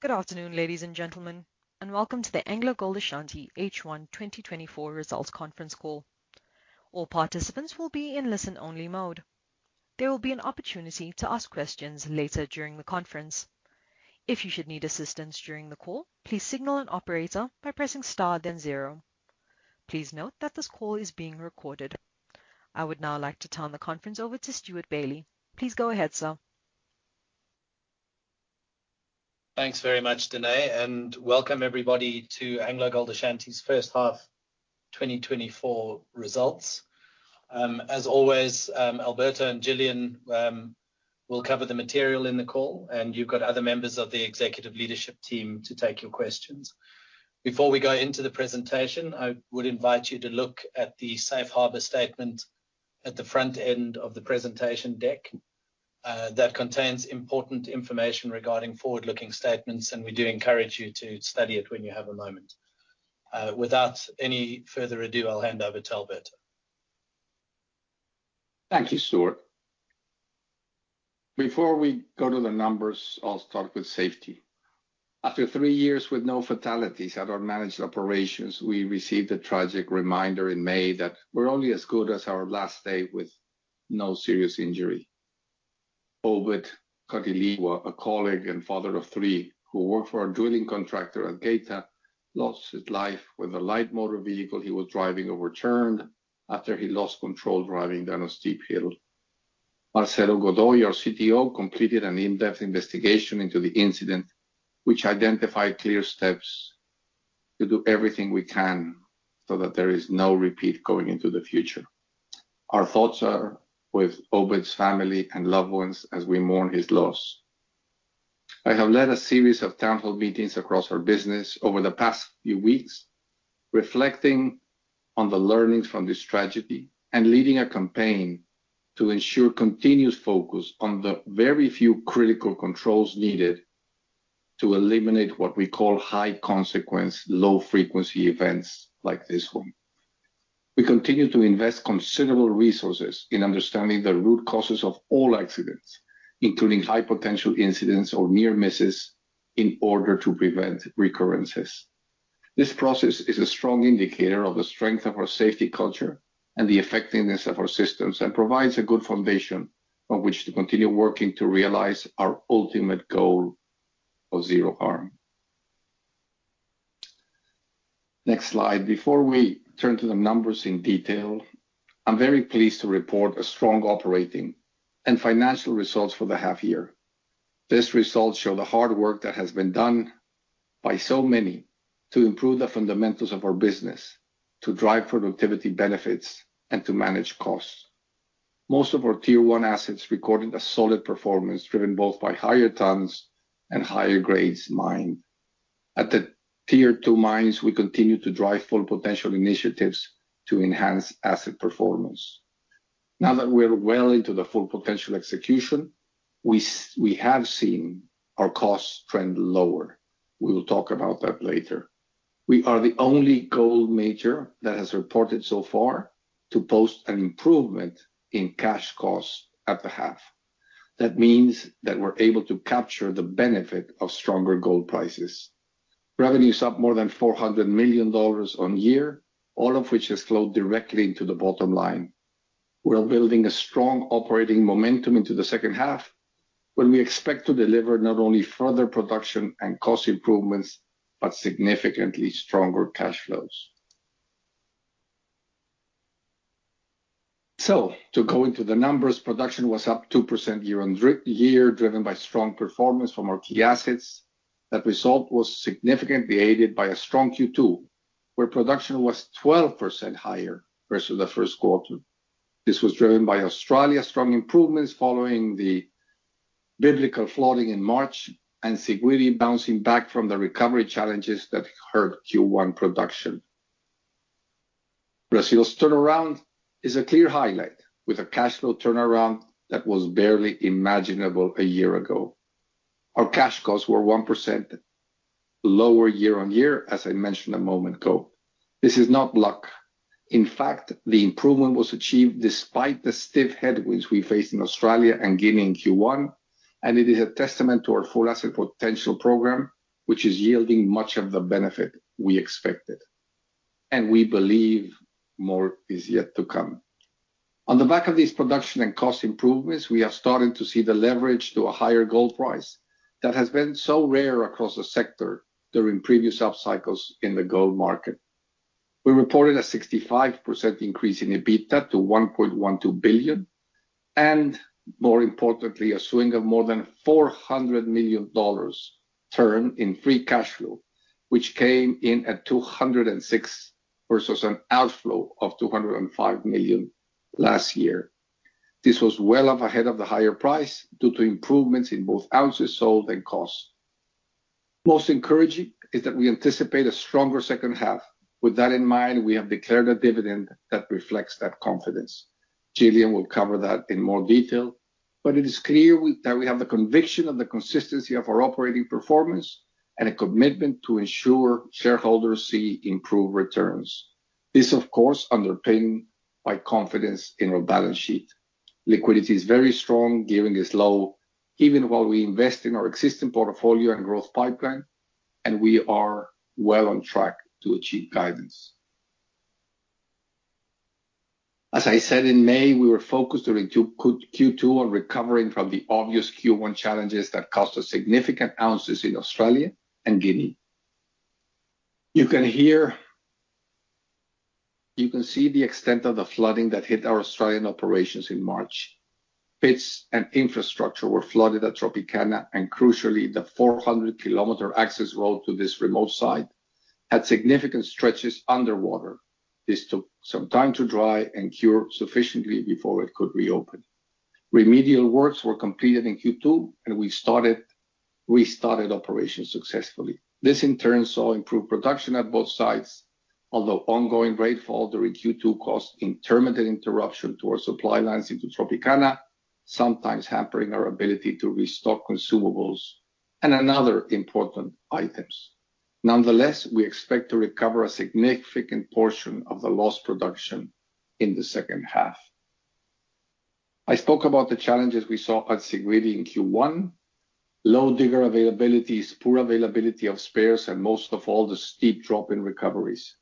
Good afternoon, ladies and gentlemen, and welcome to the AngloGold Ashanti H1 2024 Results Conference Call. All participants will be in listen-only mode. There will be an opportunity to ask questions later during the conference. If you should need assistance during the call, please signal an operator by pressing star then zero. Please note that this call is being recorded. I would now like to turn the conference over to Stewart Bailey. Please go ahead, sir. Thanks very much, Danae, and welcome everybody to AngloGold Ashanti's first half 2024 results. As always, Alberto and Gillian will cover the material in the call, and you've got other members of the executive leadership team to take your questions. Before we go into the presentation, I would invite you to look at the safe harbor statement at the front end of the presentation deck. That contains important information regarding forward-looking statements, and we do encourage you to study it when you have a moment. Without any further ado, I'll hand over to Alberto. Thank you, Stewart. Before we go to the numbers, I'll start with safety. After three years with no fatalities at our managed operations, we received a tragic reminder in May that we're only as good as our last day with no serious injury. Obed Katiliwa, a colleague and father of three, who worked for a drilling contractor at Geita, lost his life when the light motor vehicle he was driving overturned after he lost control driving down a steep hill. Marcelo Godoy, our CTO, completed an in-depth investigation into the incident, which identified clear steps to do everything we can so that there is no repeat going into the future. Our thoughts are with Obed's family and loved ones as we mourn his loss. I have led a series of town hall meetings across our business over the past few weeks, reflecting on the learnings from this tragedy and leading a campaign to ensure continuous focus on the very few critical controls needed to eliminate what we call high-consequence, low-frequency events like this one. We continue to invest considerable resources in understanding the root causes of all accidents, including high-potential incidents or near misses, in order to prevent recurrences. This process is a strong indicator of the strength of our safety culture and the effectiveness of our systems and provides a good foundation on which to continue working to realize our ultimate goal of zero harm. Next slide. Before we turn to the numbers in detail, I'm very pleased to report a strong operating and financial results for the half year. These results show the hard work that has been done by so many to improve the fundamentals of our business, to drive productivity benefits, and to manage costs. Most of our Tier One assets recorded a solid performance, driven both by higher tons and higher grades mined. At the Tier Two mines, we continue to drive full potential initiatives to enhance asset performance. Now that we're well into the full potential execution, we have seen our costs trend lower. We will talk about that later. We are the only gold major that has reported so far to post an improvement in cash costs at the half. That means that we're able to capture the benefit of stronger gold prices. Revenue is up more than $400 million on year, all of which has flowed directly into the bottom line. We are building a strong operating momentum into the second half, when we expect to deliver not only further production and cost improvements, but significantly stronger cash flows. So to go into the numbers, production was up 2% year-on-year, driven by strong performance from our key assets. That result was significantly aided by a strong Q2, where production was 12% higher versus the first quarter. This was driven by Australia's strong improvements following the biblical flooding in March and Siguiri bouncing back from the recovery challenges that hurt Q1 production. Brazil's turnaround is a clear highlight, with a cash flow turnaround that was barely imaginable a year ago. Our cash costs were 1% lower year-on-year, as I mentioned a moment ago. This is not luck. In fact, the improvement was achieved despite the stiff headwinds we faced in Australia and Guinea in Q1, and it is a testament to our Full Asset Potential program, which is yielding much of the benefit we expected, and we believe more is yet to come. On the back of these production and cost improvements, we are starting to see the leverage to a higher gold price that has been so rare across the sector during previous upcycles in the gold market. We reported a 65% increase in EBITDA to $1.12 billion, and more importantly, a swing of more than $400 million turn in free cash flow, which came in at 206 versus an outflow of 205 million last year. This was well up ahead of the higher price due to improvements in both ounces sold and costs. Most encouraging is that we anticipate a stronger second half. With that in mind, we have declared a dividend that reflects that confidence. Gillian will cover that in more detail, but it is clear we, that we have the conviction and the consistency of our operating performance and a commitment to ensure shareholders see improved returns. This, of course, underpinned by confidence in our balance sheet. Liquidity is very strong, gearing is low, even while we invest in our existing portfolio and growth pipeline, and we are well on track to achieve guidance. As I said in May, we were focused during Q2 on recovering from the obvious Q1 challenges that cost us significant ounces in Australia and Guinea. You can see the extent of the flooding that hit our Australian operations in March. Pits and infrastructure were flooded at Tropicana, and crucially, the 400-kilometer access road to this remote site had significant stretches underwater. This took some time to dry and cure sufficiently before it could reopen. Remedial works were completed in Q2, and we restarted operations successfully. This, in turn, saw improved production at both sites, although ongoing rainfall during Q2 caused intermittent interruption to our supply lines into Tropicana, sometimes hampering our ability to restock consumables and another important items. Nonetheless, we expect to recover a significant portion of the lost production in the second half. I spoke about the challenges we saw at Siguiri in Q1. Low digger availabilities, poor availability of spares, and most of all, the steep drop in recoveries.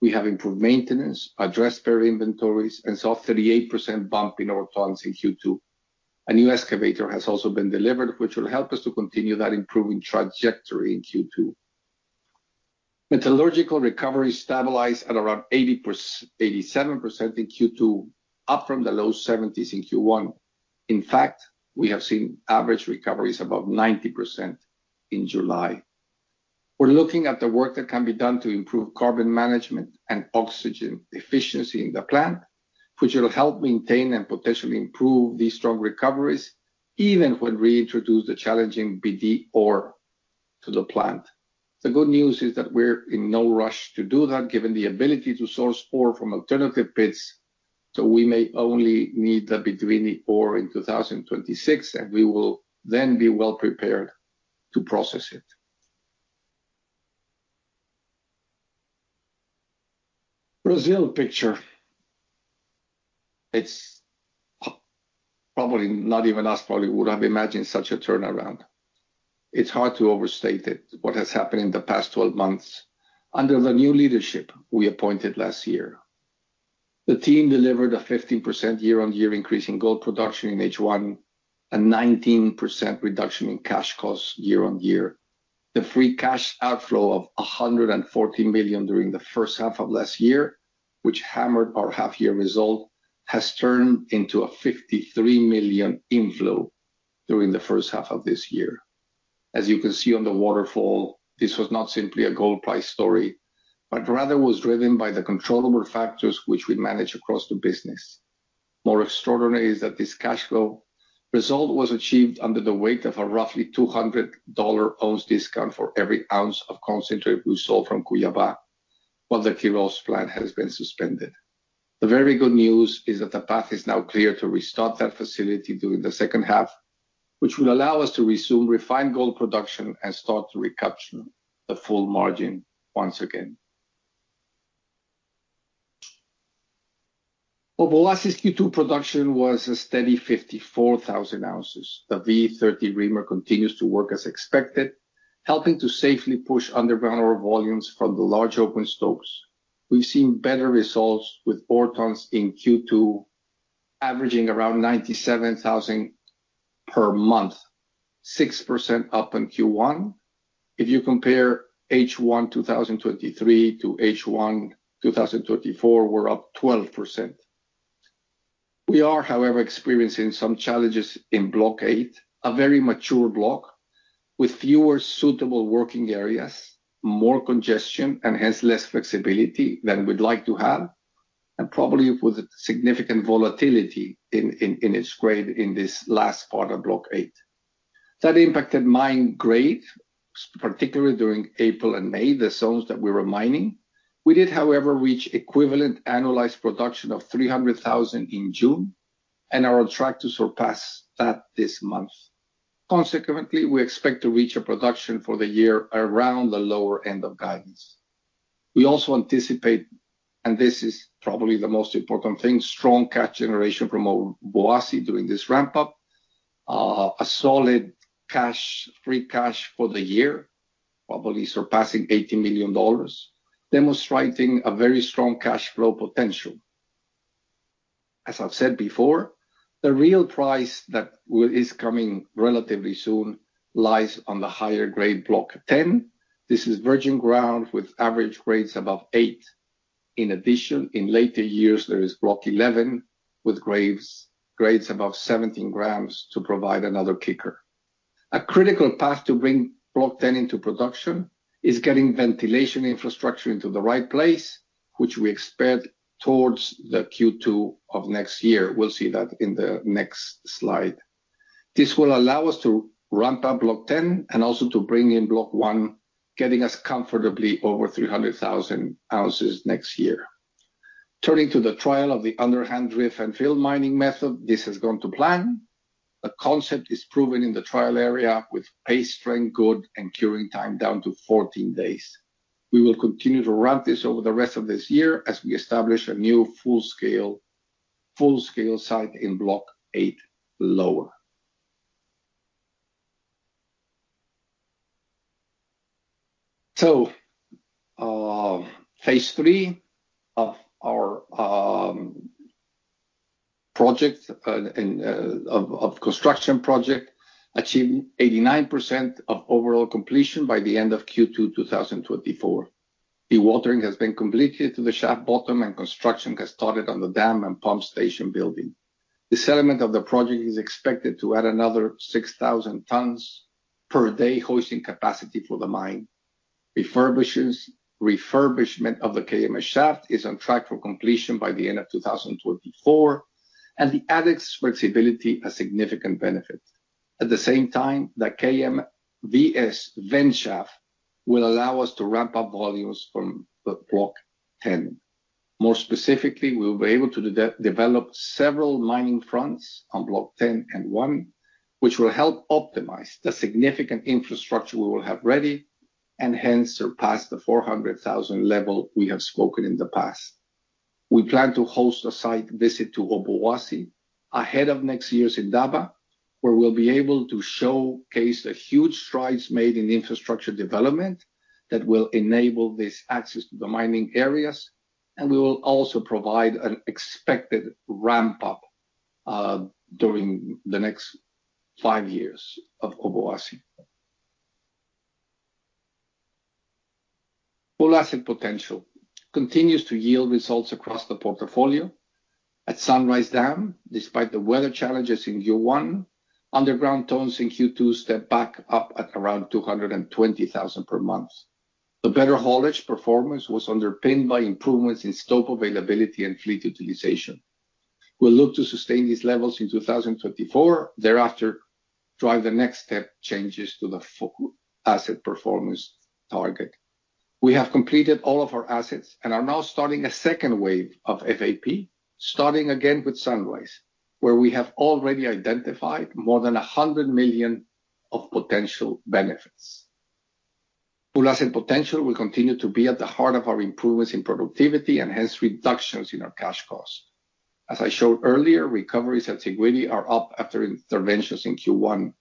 We have improved maintenance, addressed spare inventories, and saw a 38% bump in ore tons in Q2. A new excavator has also been delivered, which will help us to continue that improving trajectory in Q2. Metallurgical recovery stabilized at around 80%-87% in Q2, up from the low 70s in Q1. In fact, we have seen average recoveries above 90% in July. We're looking at the work that can be done to improve carbon management and oxygen efficiency in the plant, which will help maintain and potentially improve these strong recoveries, even when we introduce the challenging BD ore to the plant. The good news is that we're in no rush to do that, given the ability to source ore from alternative pits, so we may only need the Bidini ore in 2026, and we will then be well-prepared to process it. Brazil picture. It's, probably not even us, probably would have imagined such a turnaround. It's hard to overstate it, what has happened in the past 12 months under the new leadership we appointed last year. The team delivered a 15% year-on-year increase in gold production in H1, a 19% reduction in cash costs year-on-year. The free cash outflow of $114 million during the first half of last year, which hammered our half-year result, has turned into a $53 million inflow during the first half of this year. As you can see on the waterfall, this was not simply a gold price story, but rather was driven by the controllable factors which we manage across the business. More extraordinary is that this cash flow result was achieved under the weight of a roughly $200/oz discount for every ounce of concentrate we sold from Cuiabá, while the Queiroz plant has been suspended. The very good news is that the path is now clear to restart that facility during the second half, which will allow us to resume refined gold production and start to recapture the full margin once again. Obuasi's Q2 production was a steady 54,000 ounces. The V30 reamer continues to work as expected, helping to safely push underground our volumes from the large open stopes. We've seen better results with ore tons in Q2, averaging around 97,000 per month, 6% up in Q1. If you compare H1 2023 to H1 2024, we're up 12%. We are, however, experiencing some challenges in Block 8, a very mature block with fewer suitable working areas, more congestion, and hence less flexibility than we'd like to have, and probably with a significant volatility in its grade in this last part of Block 8. That impacted mine grade, particularly during April and May, the zones that we were mining. We did, however, reach equivalent annualized production of 300,000 in June and are on track to surpass that this month. Consequently, we expect to reach a production for the year around the lower end of guidance. We also anticipate, and this is probably the most important thing, strong cash generation from Obuasi during this ramp-up, a solid free cash for the year, probably surpassing $80 million, demonstrating a very strong cash flow potential. As I've said before, the real prize that is coming relatively soon lies on the higher-grade Block 10. This is virgin ground with average grades above eight. In addition, in later years, there is Block 11, with grades above 17 grams to provide another kicker. A critical path to bring Block 10 into production is getting ventilation infrastructure into the right place, which we expect towards the Q2 of next year. We'll see that in the next slide. This will allow us to ramp up Block 10 and also to bring in Block 1, getting us comfortably over 300,000 ounces next year. Turning to the trial of the underhand drift and fill mining method, this has gone to plan. The concept is proven in the trial area with paste strength good and curing time down to 14 days. We will continue to ramp this over the rest of this year as we establish a new full-scale, full-scale site in Block 8 Lower. So, phase three of our construction project achieved 89% of overall completion by the end of Q2 2024. Dewatering has been completed to the shaft bottom, and construction has started on the dam and pump station building. The settlement of the project is expected to add another 6,000 tons per day hoisting capacity for the mine. Refurbishment of the KMS Shaft is on track for completion by the end of 2024, and the added flexibility a significant benefit. At the same time, the KMVS vent Shaft will allow us to ramp up volumes from the Block 10. More specifically, we'll be able to develop several mining fronts on Block 10 and 11, which will help optimize the significant infrastructure we will have ready, and hence surpass the 400,000 level we have spoken in the past. We plan to host a site visit to Obuasi ahead of next year's Indaba, where we'll be able to showcase the huge strides made in infrastructure development that will enable this access to the mining areas, and we will also provide an expected ramp-up during the next five years of Obuasi. Full Asset Potential continues to yield results across the portfolio. At Sunrise Dam, despite the weather challenges in Q1, underground tonnes in Q2 stepped back up at around 220,000 per month. The better haulage performance was underpinned by improvements in stope availability and fleet utilization. We'll look to sustain these levels in 2024, thereafter, drive the next step changes to the full asset performance target. We have completed all of our assets and are now starting a second wave of FAP, starting again with Sunrise, where we have already identified more than $100 million of potential benefits. Full Asset Potential will continue to be at the heart of our improvements in productivity and hence reductions in our cash costs. As I showed earlier, recoveries at Siguiri are up after interventions in Q1.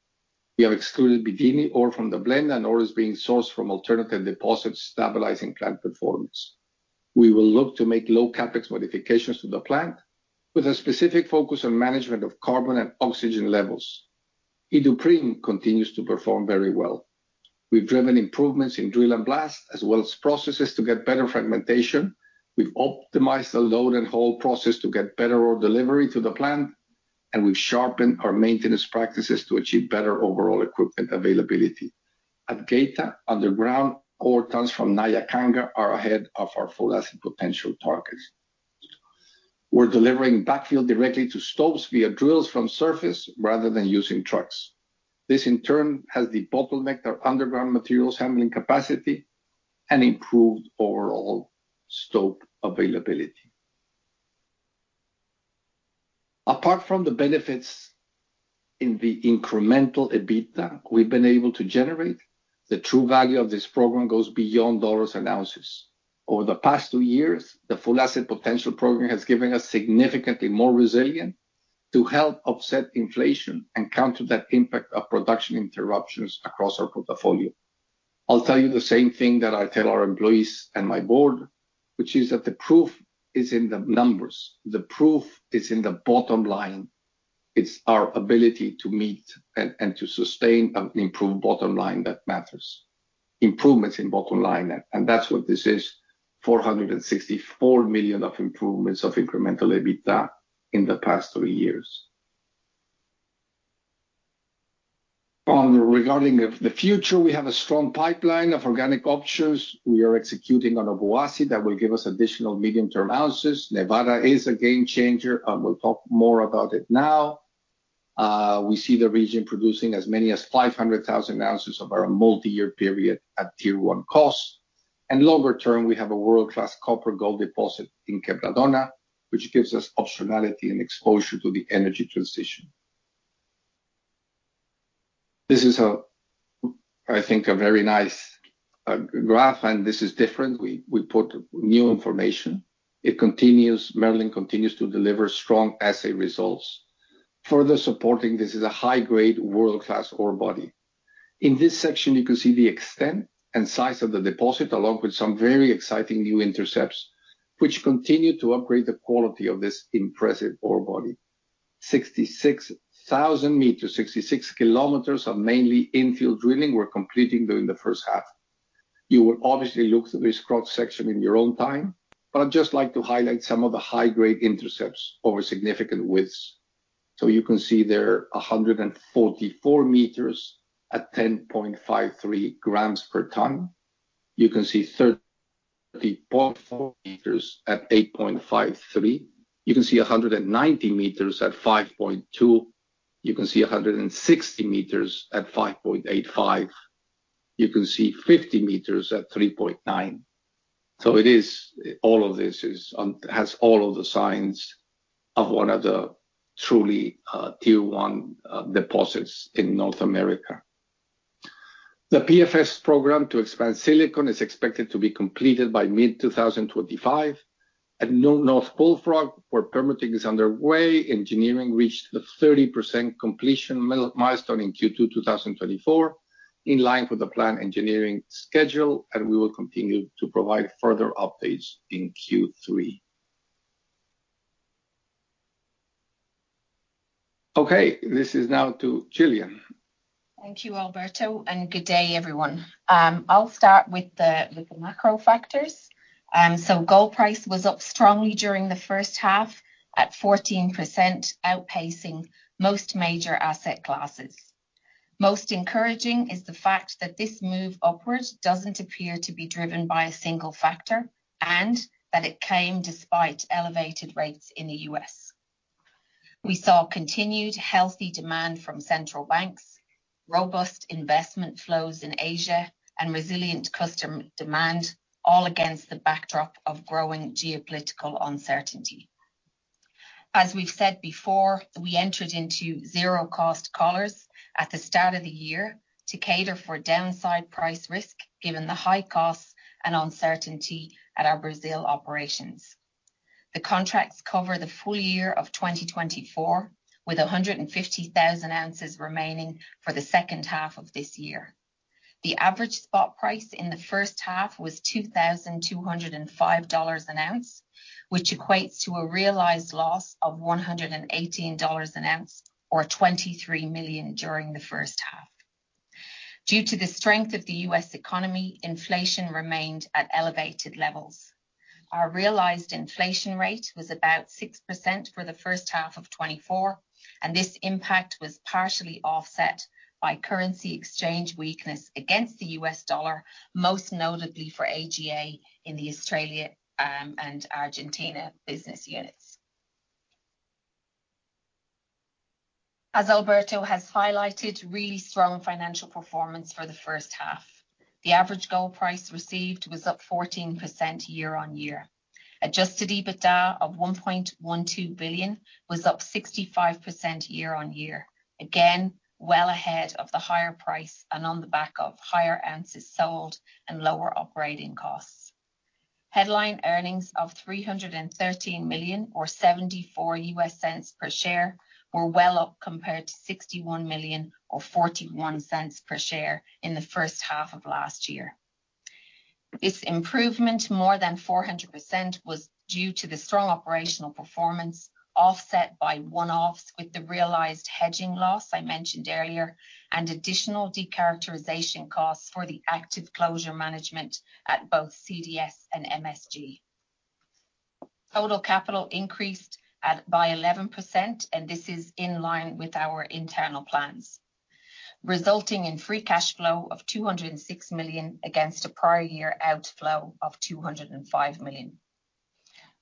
We have excluded Bidini ore from the blend, and ore is being sourced from alternative deposits, stabilizing plant performance. We will look to make low CapEx modifications to the plant, with a specific focus on management of carbon and oxygen levels. Iduapriem continues to perform very well. We've driven improvements in drill and blast, as well as processes to get better fragmentation. We've optimized the load and haul process to get better ore delivery to the plant, and we've sharpened our maintenance practices to achieve better overall equipment availability. At Geita, underground ore tons from Nyankanga are ahead of our Full Asset Potential targets. We're delivering backfill directly to stopes via drills from surface rather than using trucks. This, in turn, has debottlenecked our underground materials handling capacity and improved overall stope availability. Apart from the benefits in the incremental EBITDA we've been able to generate, the true value of this program goes beyond dollars and ounces. Over the past two years, the Full Asset Potential program has given us significantly more resilient to help offset inflation and counter that impact of production interruptions across our portfolio. I'll tell you the same thing that I tell our employees and my board, which is that the proof is in the numbers. The proof is in the bottom line. It's our ability to meet and to sustain an improved bottom line that matters. Improvements in bottom line, and that's what this is, $464 million of improvements of incremental EBITDA in the past three years. And regarding the future, we have a strong pipeline of organic options. We are executing on Obuasi. That will give us additional medium-term ounces. Nevada is a game changer, and we'll talk more about it now. We see the region producing as many as 500,000 ounces over a multi-year period at Tier-one costs. And longer term, we have a world-class copper-gold deposit in Quebradona, which gives us optionality and exposure to the energy transition. This is a, I think, a very nice, graph, and this is different. We, we put new information. It continues—Merlin continues to deliver strong assay results, further supporting this is a high-grade, world-class ore body. In this section, you can see the extent and size of the deposit, along with some very exciting new intercepts, which continue to upgrade the quality of this impressive ore body. 66,000 meters, 66 kilometers of mainly infill drilling we're completing during the first half. You will obviously look at this cross-section in your own time, but I'd just like to highlight some of the high-grade intercepts over significant widths. So you can see there, 144 meters at 10.53 grams per ton. You can see 30.4 meters at 8.53. You can see 190 meters at 5.2. You can see 160 meters at 5.85. You can see 50 meters at 3.9.... So it is, all of this is on, has all of the signs of one of the truly, tier one, deposits in North America. The PFS program to expand Silicon is expected to be completed by mid-2025. At Nevada North Bullfrog, where permitting is underway, engineering reached the 30% completion milestone in Q2 2024, in line with the planned engineering schedule, and we will continue to provide further updates in Q3. Okay, this is now to Gillian. Thank you, Alberto, and good day, everyone. I'll start with the macro factors. So gold price was up strongly during the first half, at 14%, outpacing most major asset classes. Most encouraging is the fact that this move upwards doesn't appear to be driven by a single factor, and that it came despite elevated rates in the U.S. We saw continued healthy demand from central banks, robust investment flows in Asia, and resilient customer demand, all against the backdrop of growing geopolitical uncertainty. As we've said before, we entered into zero-cost collars at the start of the year to cater for downside price risk, given the high costs and uncertainty at our Brazil operations. The contracts cover the full year of 2024, with 150,000 ounces remaining for the second half of this year. The average spot price in the first half was $2,205 an ounce, which equates to a realized loss of $118 an ounce or $23 million during the first half. Due to the strength of the U.S. economy, inflation remained at elevated levels. Our realized inflation rate was about 6% for the first half of 2024, and this impact was partially offset by currency exchange weakness against the U.S. dollar, most notably for AGA in the Australia and Argentina business units. As Alberto has highlighted, really strong financial performance for the first half. The average gold price received was up 14% year-on-year. Adjusted EBITDA of $1.12 billion was up 65% year-on-year. Again, well ahead of the higher price and on the back of higher ounces sold and lower operating costs. Headline Earnings of $313 million or $0.74 per share were well up compared to $61 million or $0.41 per share in the first half of last year. This improvement, more than 400%, was due to the strong operational performance, offset by one-offs, with the realized hedging loss I mentioned earlier, and additional decharacterization costs for the active closure management at both CDS and MSG. Total capital increased by 11%, and this is in line with our internal plans, resulting in free cash flow of $206 million, against a prior year outflow of $205 million.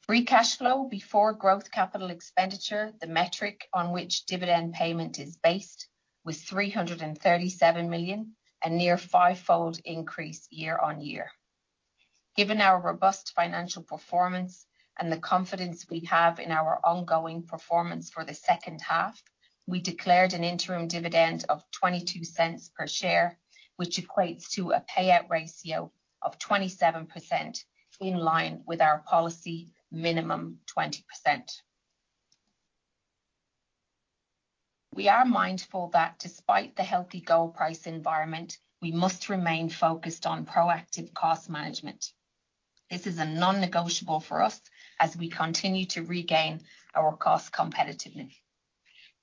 Free cash flow before growth capital expenditure, the metric on which dividend payment is based, was $337 million, a near fivefold increase year-on-year. Given our robust financial performance and the confidence we have in our ongoing performance for the second half, we declared an interim dividend of $0.22 per share, which equates to a payout ratio of 27%, in line with our policy, minimum 20%. We are mindful that despite the healthy gold price environment, we must remain focused on proactive cost management. This is a non-negotiable for us as we continue to regain our cost competitiveness.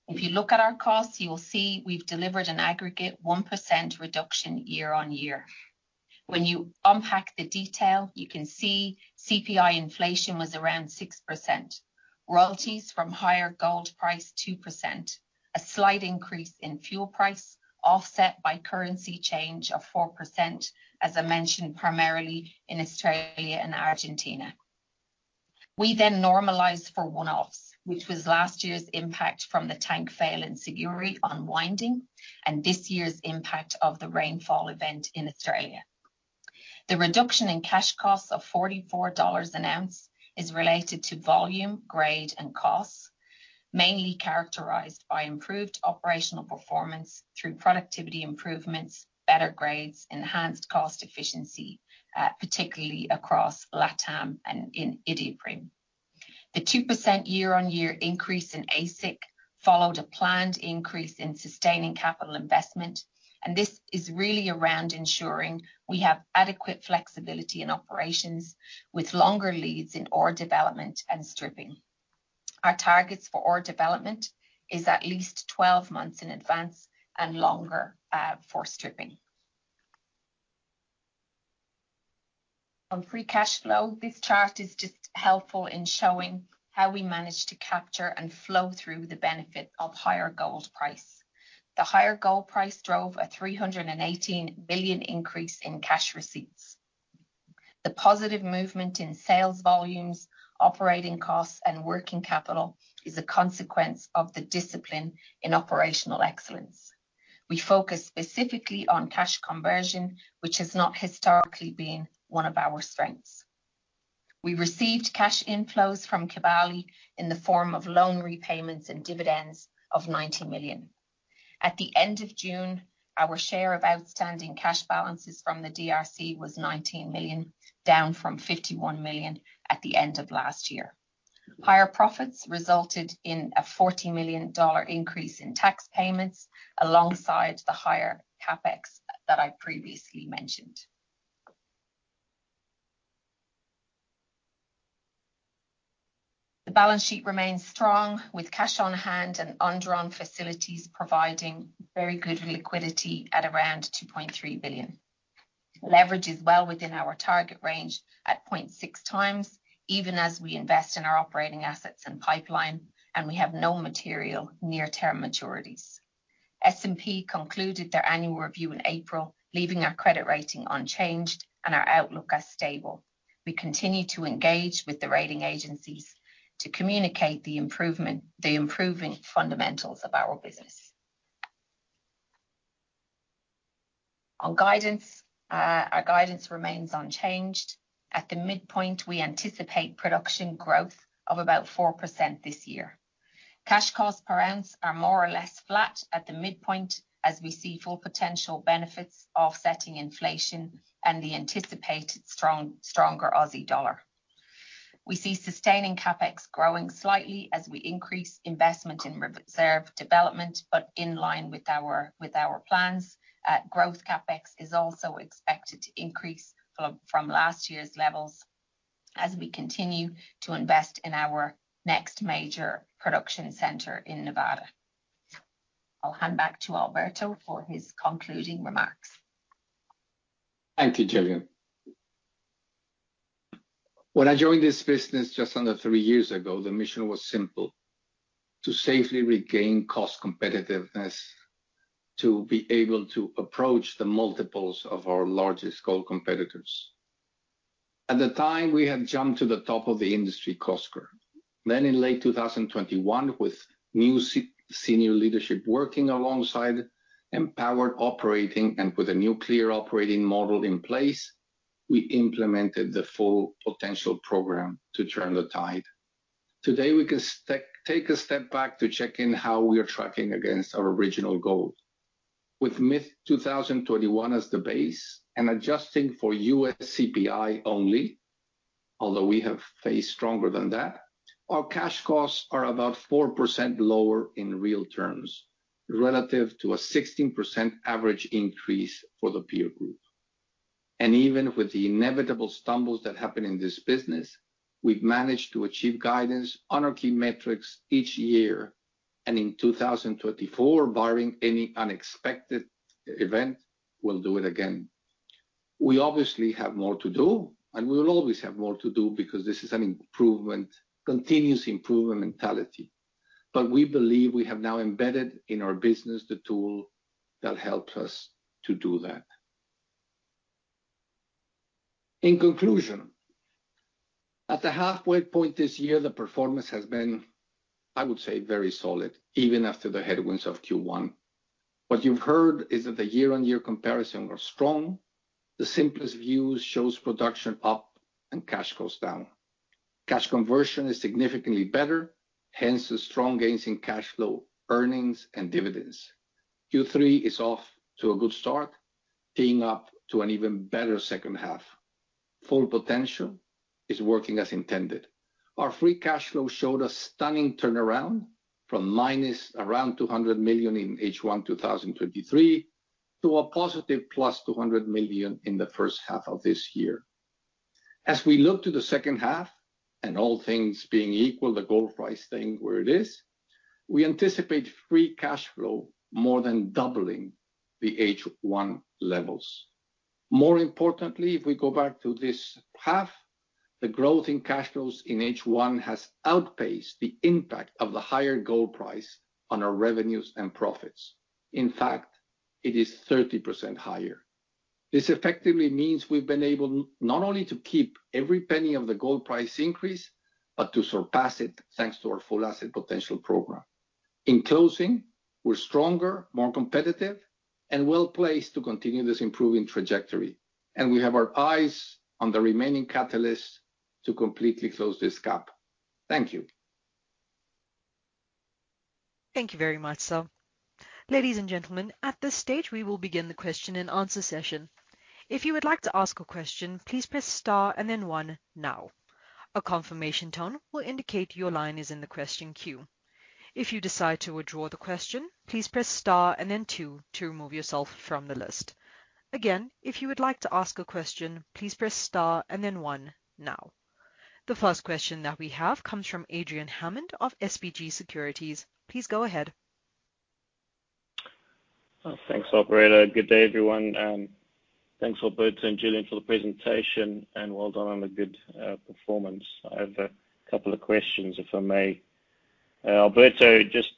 If you look at our costs, you will see we've delivered an aggregate 1% reduction year-on-year. When you unpack the detail, you can see CPI inflation was around 6%. Royalties from higher gold price, 2%. A slight increase in fuel price, offset by currency change of 4%, as I mentioned, primarily in Australia and Argentina. We then normalized for one-offs, which was last year's impact from the tank fail in Siguiri unwinding, and this year's impact of the rainfall event in Australia. The reduction in cash costs of $44 an ounce is related to volume, grade, and costs, mainly characterized by improved operational performance through productivity improvements, better grades, enhanced cost efficiency, particularly across LatAm and in Iduapriem. The 2% year-on-year increase in AISC followed a planned increase in sustaining capital investment, and this is really around ensuring we have adequate flexibility in operations with longer leads in ore development and stripping. Our targets for ore development is at least 12 months in advance and longer, for stripping. On free cash flow, this chart is just helpful in showing how we managed to capture and flow through the benefit of higher gold price. The higher gold price drove a $318 billion increase in cash receipts. The positive movement in sales volumes, operating costs, and working capital is a consequence of the discipline in operational excellence. We focus specifically on cash conversion, which has not historically been one of our strengths. We received cash inflows from Kibali in the form of loan repayments and dividends of $90 million. At the end of June, our share of outstanding cash balances from the DRC was $19 million, down from $51 million at the end of last year. Higher profits resulted in a $40 million increase in tax payments, alongside the higher CapEx that I previously mentioned. The balance sheet remains strong, with cash on hand and undrawn facilities providing very good liquidity at around $2.3 billion. Leverage is well within our target range at 0.6x, even as we invest in our operating assets and pipeline, and we have no material near-term maturities. S&P concluded their annual review in April, leaving our credit rating unchanged and our outlook as stable. We continue to engage with the rating agencies to communicate the improving fundamentals of our business. On guidance, our guidance remains unchanged. At the midpoint, we anticipate production growth of about 4% this year. Cash costs per ounce are more or less flat at the midpoint, as we see full potential benefits offsetting inflation and the anticipated stronger Aussie dollar. We see sustaining CapEx growing slightly as we increase investment in reserve development, but in line with our plans. Growth CapEx is also expected to increase from last year's levels as we continue to invest in our next major production center in Nevada. I'll hand back to Alberto for his concluding remarks. Thank you, Gillian. When I joined this business just under three years ago, the mission was simple: to safely regain cost competitiveness, to be able to approach the multiples of our largest gold competitors. At the time, we had jumped to the top of the industry cost curve. Then, in late 2021, with new senior leadership working alongside, empowered operating, and with a new clear operating model in place, we implemented the full potential program to turn the tide. Today, we can take a step back to check in how we are tracking against our original goals. With mid-2021 as the base and adjusting for U.S. CPI only, although we have faced stronger than that, our cash costs are about 4% lower in real terms, relative to a 16% average increase for the peer group. Even with the inevitable stumbles that happen in this business, we've managed to achieve guidance on our key metrics each year, and in 2024, barring any unexpected event, we'll do it again. We obviously have more to do, and we will always have more to do, because this is an improvement, continuous improvement mentality. But we believe we have now embedded in our business the tool that helps us to do that. In conclusion, at the halfway point this year, the performance has been, I would say, very solid, even after the headwinds of Q1. What you've heard is that the year-on-year comparison were strong. The simplest views shows production up and cash costs down. Cash conversion is significantly better, hence the strong gains in cash flow, earnings, and dividends. Q3 is off to a good start, teeing up to an even better second half. Full Asset Potential is working as intended. Our free cash flow showed a stunning turnaround from minus around $200 million in H1 2023 to a positive +$200 million in the first half of this year. As we look to the second half, and all things being equal, the gold price staying where it is, we anticipate free cash flow more than doubling the H1 levels. More importantly, if we go back to this half, the growth in cash flows in H1 has outpaced the impact of the higher gold price on our revenues and profits. In fact, it is 30% higher. This effectively means we've been able not only to keep every penny of the gold price increase, but to surpass it, thanks to our Full Asset Potential program. In closing, we're stronger, more competitive, and well-placed to continue this improving trajectory, and we have our eyes on the remaining catalysts to completely close this gap. Thank you. Thank you very much, sir. Ladies and gentlemen, at this stage, we will begin the question-and-answer session. If you would like to ask a question, please press star and then one now. A confirmation tone will indicate your line is in the question queue. If you decide to withdraw the question, please press star and then two to remove yourself from the list. Again, if you would like to ask a question, please press star and then one now. The first question that we have comes from Adrian Hammond of SBG Securities. Please go ahead. Thanks, operator. Good day, everyone, thanks, Alberto and Gillian, for the presentation, and well done on the good performance. I have a couple of questions, if I may. Alberto, just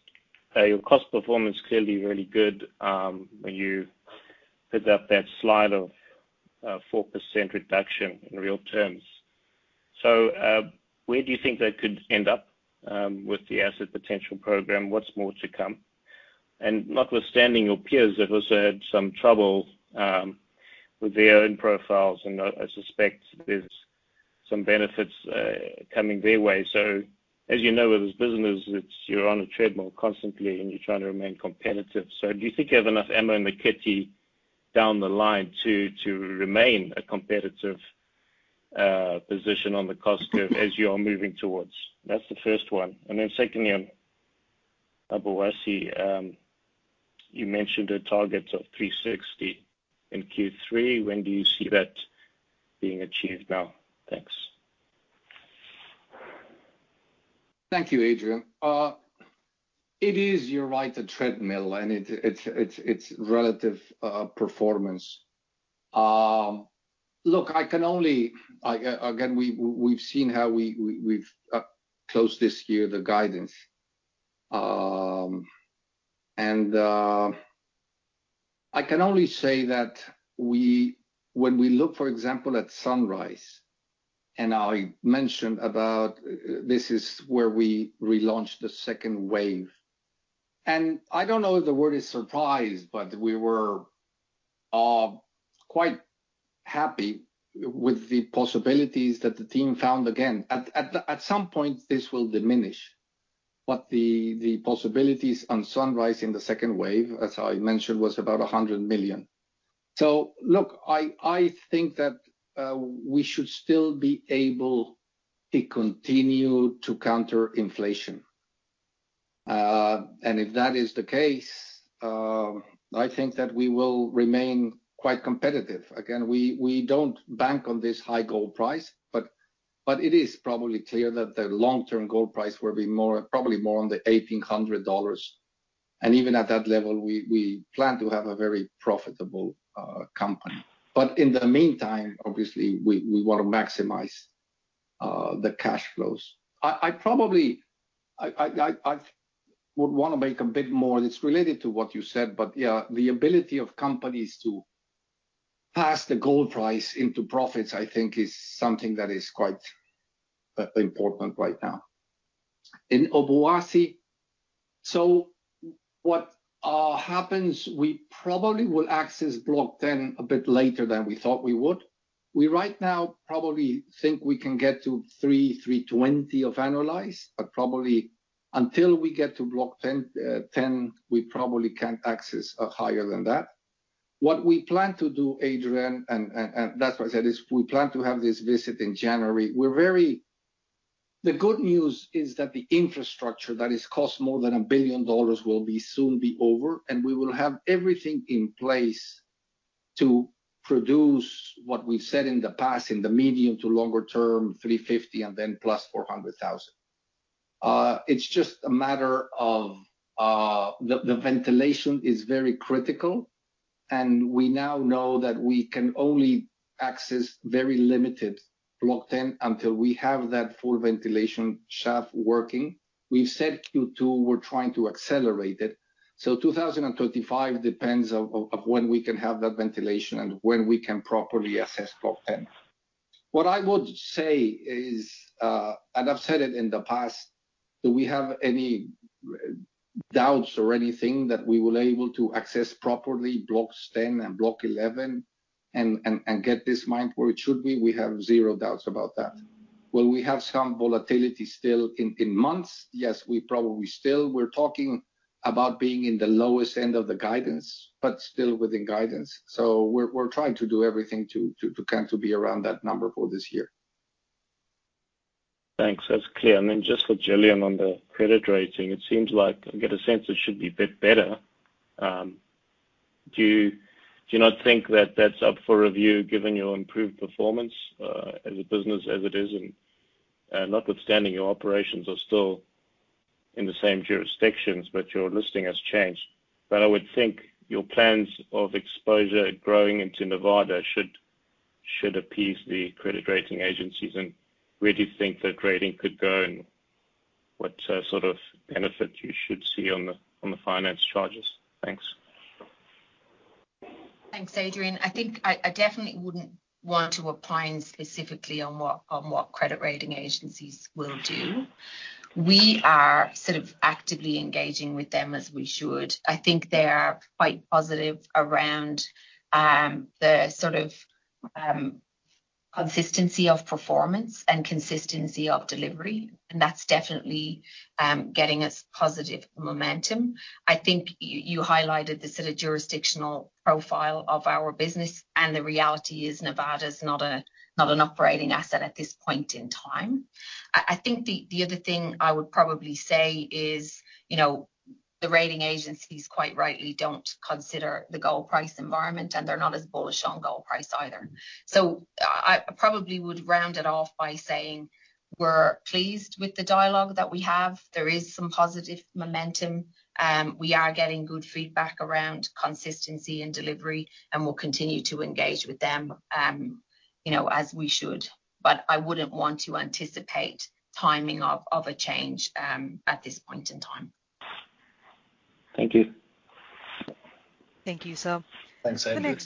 your cost performance is clearly really good, when you put up that slide of 4% reduction in real terms. So, where do you think they could end up with the asset potential program? What's more to come? And notwithstanding your peers, they've also had some trouble with their own profiles, and I, I suspect there's some benefits coming their way. So, as you know, with this business, it's you're on a treadmill constantly, and you're trying to remain competitive. So do you think you have enough ammo in the kitty down the line to, to remain a competitive position on the cost curve as you are moving towards? That's the first one. And then secondly, Obuasi, you mentioned the targets of 360 in Q3. When do you see that being achieved now? Thanks. Thank you, Adrian. It is, you're right, a treadmill, and it's relative performance. Look, I can only—I, again, we've seen how we've closed this year, the guidance. And, I can only say that when we look, for example, at Sunrise, and I mentioned about, this is where we relaunched the second wave. And I don't know if the word is surprised, but we were quite happy with the possibilities that the team found again. At some point, this will diminish. But the possibilities on Sunrise in the second wave, as I mentioned, was about $100 million. So, look, I think that we should still be able to continue to counter inflation. And if that is the case, I think that we will remain quite competitive. Again, we don't bank on this high gold price, but it is probably clear that the long-term gold price will be more, probably more on the $1,800. And even at that level, we plan to have a very profitable company. But in the meantime, obviously, we want to maximize the cash flows. I probably would wanna make a bit more, and it's related to what you said, but yeah, the ability of companies to pass the gold price into profits, I think, is something that is quite important right now. In Obuasi, so what happens, we probably will access Block 10 a bit later than we thought we would. We right now probably think we can get to 300-320 thousand annualized, but probably until we get to Block 10, we probably can't access higher than that. What we plan to do, Adrian, and that's what I said, is we plan to have this visit in January. We're very... The good news is that the infrastructure that has cost more than $1 billion will soon be over, and we will have everything in place to produce what we've said in the past, in the medium to longer term, 350 thousand, and then plus 400,000. It's just a matter of the ventilation is very critical, and we now know that we can only access very limited Block 10 until we have that full ventilation shaft working. We've said Q2, we're trying to accelerate it. So 2035 depends on when we can have that ventilation and when we can properly assess Block 8. What I would say is, and I've said it in the past, do we have any doubts or anything that we will be able to access properly Blocks 10 and Block 11 and get this mine where it should be? We have zero doubts about that. Will we have some volatility still in months? Yes, we probably still. We're talking about being in the lowest end of the guidance, but still within guidance. So we're trying to do everything to kind of be around that number for this year. Thanks. That's clear. And then just for Gillian, on the credit rating, it seems like I get a sense it should be a bit better. Do you, do you not think that that's up for review, given your improved performance, as a business as it is, and, notwithstanding your operations are still in the same jurisdictions, but your listing has changed? But I would think your plans of exposure growing into Nevada should, should appease the credit rating agencies. And where do you think that rating could go, and what, sort of benefit you should see on the, on the finance charges? Thanks. Thanks, Adrian. I think I definitely wouldn't want to opine specifically on what credit rating agencies will do. We are sort of actively engaging with them as we should. I think they are quite positive around the sort of consistency of performance and consistency of delivery, and that's definitely getting us positive momentum. I think you highlighted the sort of jurisdictional profile of our business, and the reality is Nevada's not an operating asset at this point in time. I think the other thing I would probably say is, you know, the rating agencies, quite rightly, don't consider the gold price environment, and they're not as bullish on gold price either. So I probably would round it off by saying we're pleased with the dialogue that we have. There is some positive momentum. We are getting good feedback around consistency and delivery, and we'll continue to engage with them, you know, as we should. But I wouldn't want to anticipate timing of, of a change, at this point in time. ... Thank you. Thank you, sir. Thanks, Andrew.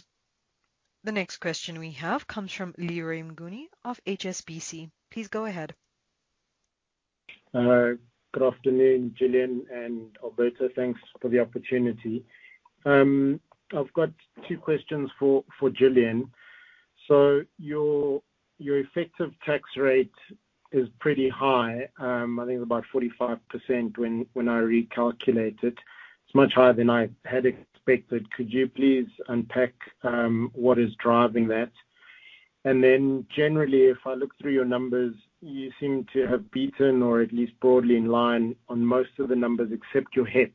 The next question we have comes from Leroy Mnguni of HSBC. Please go ahead. Good afternoon, Gillian and Alberto. Thanks for the opportunity. I've got two questions for Gillian. So your effective tax rate is pretty high. I think about 45% when I recalculated. It's much higher than I had expected. Could you please unpack what is driving that? And then generally, if I look through your numbers, you seem to have beaten, or at least broadly in line on most of the numbers, except your HEPS.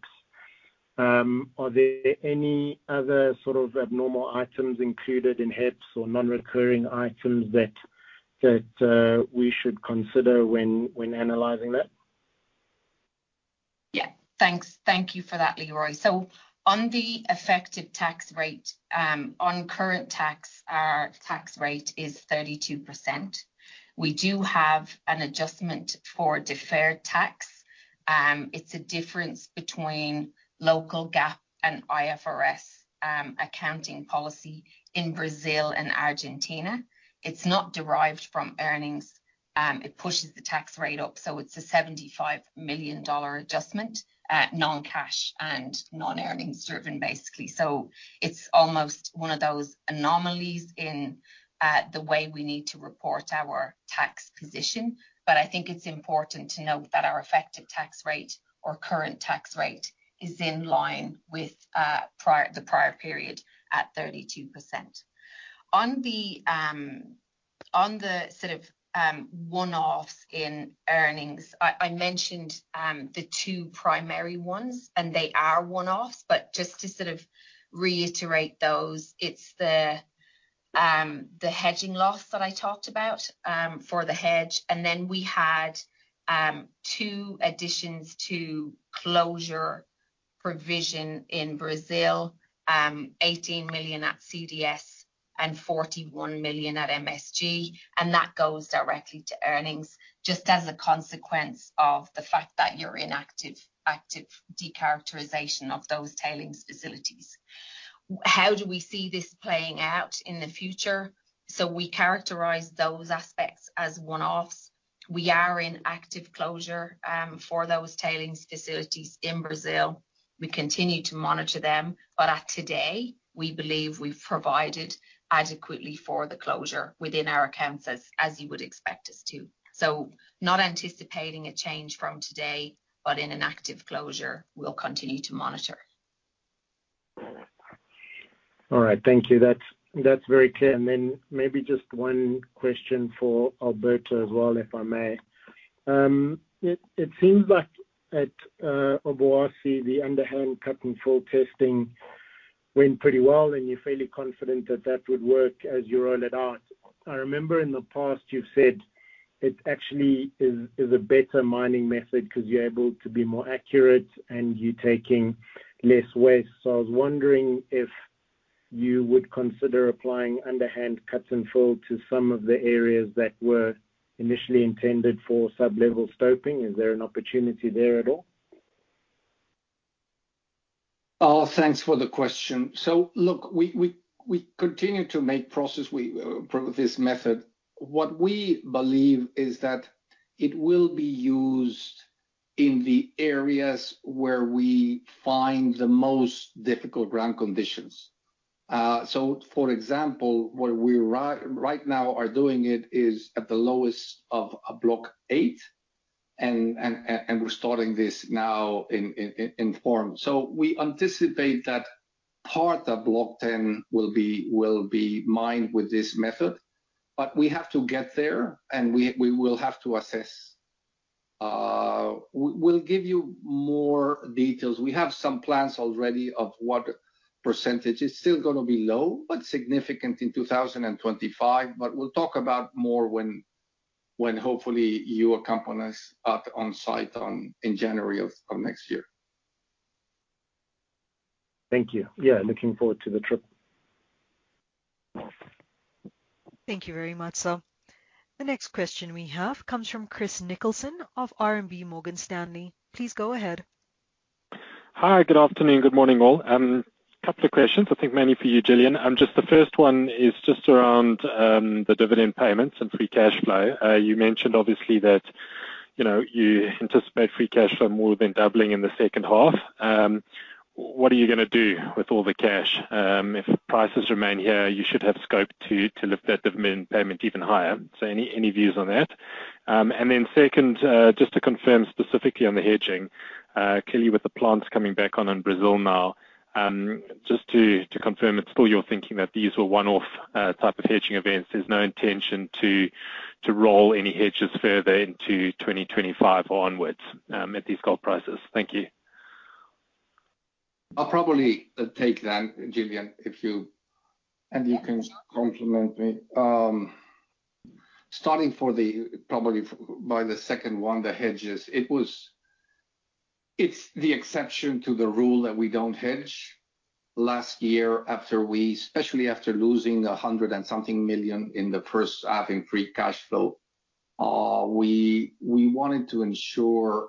Are there any other sort of abnormal items included in HEPS or non-recurring items that we should consider when analyzing that? Yeah. Thanks. Thank you for that, Leroy. So on the effective tax rate, on current tax, our tax rate is 32%. We do have an adjustment for deferred tax. It's a difference between local GAAP and IFRS, accounting policy in Brazil and Argentina. It's not derived from earnings. It pushes the tax rate up, so it's a $75 million adjustment, non-cash and non-earnings driven, basically. So it's almost one of those anomalies in, the way we need to report our tax position. But I think it's important to note that our effective tax rate or current tax rate is in line with, prior, the prior period at 32%. On the, on the sort of, one-offs in earnings, I, I mentioned, the two primary ones, and they are one-offs. But just to sort of reiterate those, it's the hedging loss that I talked about for the hedge. And then we had two additions to closure provision in Brazil, $18 million at CDS and $41 million at MSG, and that goes directly to earnings, just as a consequence of the fact that you're in active, active decharacterization of those tailings facilities. How do we see this playing out in the future? So we characterize those aspects as one-offs. We are in active closure for those tailings facilities in Brazil. We continue to monitor them, but at today, we believe we've provided adequately for the closure within our accounts, as you would expect us to. So not anticipating a change from today, but in an active closure, we'll continue to monitor. All right. Thank you. That's very clear. And then maybe just one question for Alberto as well, if I may. It seems like at Obuasi, the underhand cut-and-fill testing went pretty well, and you're fairly confident that that would work as you roll it out. I remember in the past you've said it actually is a better mining method because you're able to be more accurate and you're taking less waste. So I was wondering if you would consider applying underhand cuts and fill to some of the areas that were initially intended for sub-level stoping. Is there an opportunity there at all? Thanks for the question. So look, we continue to make progress. We improve this method. What we believe is that it will be used in the areas where we find the most difficult ground conditions. So for example, where we right now are doing it is at the lowest of Block 8, and we're starting this now in form. So we anticipate that part of Block 10 will be mined with this method, but we have to get there, and we will have to assess. We, we'll give you more details. We have some plans already of what percentage. It's still gonna be low, but significant in 2025, but we'll talk about more when hopefully you accompany us on site in January of next year. Thank you. Yeah, looking forward to the trip. Thank you very much, sir. The next question we have comes from Chris Nicholson of RMB Morgan Stanley. Please go ahead. Hi, good afternoon. Good morning, all. Couple of questions, I think mainly for you, Gillian. Just the first one is just around the dividend payments and free cash flow. You mentioned obviously that, you know, you anticipate free cash flow more than doubling in the second half. What are you gonna do with all the cash? If prices remain here, you should have scope to lift that dividend payment even higher. So any views on that? And then second, just to confirm specifically on the hedging, clearly with the plants coming back on in Brazil now, just to confirm it's still you're thinking that these were one-off type of hedging events. There's no intention to roll any hedges further into 2025 onwards, at these gold prices. Thank you. I'll probably take that, Gillian, if you... And you can complement me. Starting from the, probably from the second one, the hedges, it was—it's the exception to the rule that we don't hedge. Last year after we, especially after losing $100-something million in the first half in free cash flow, we wanted to ensure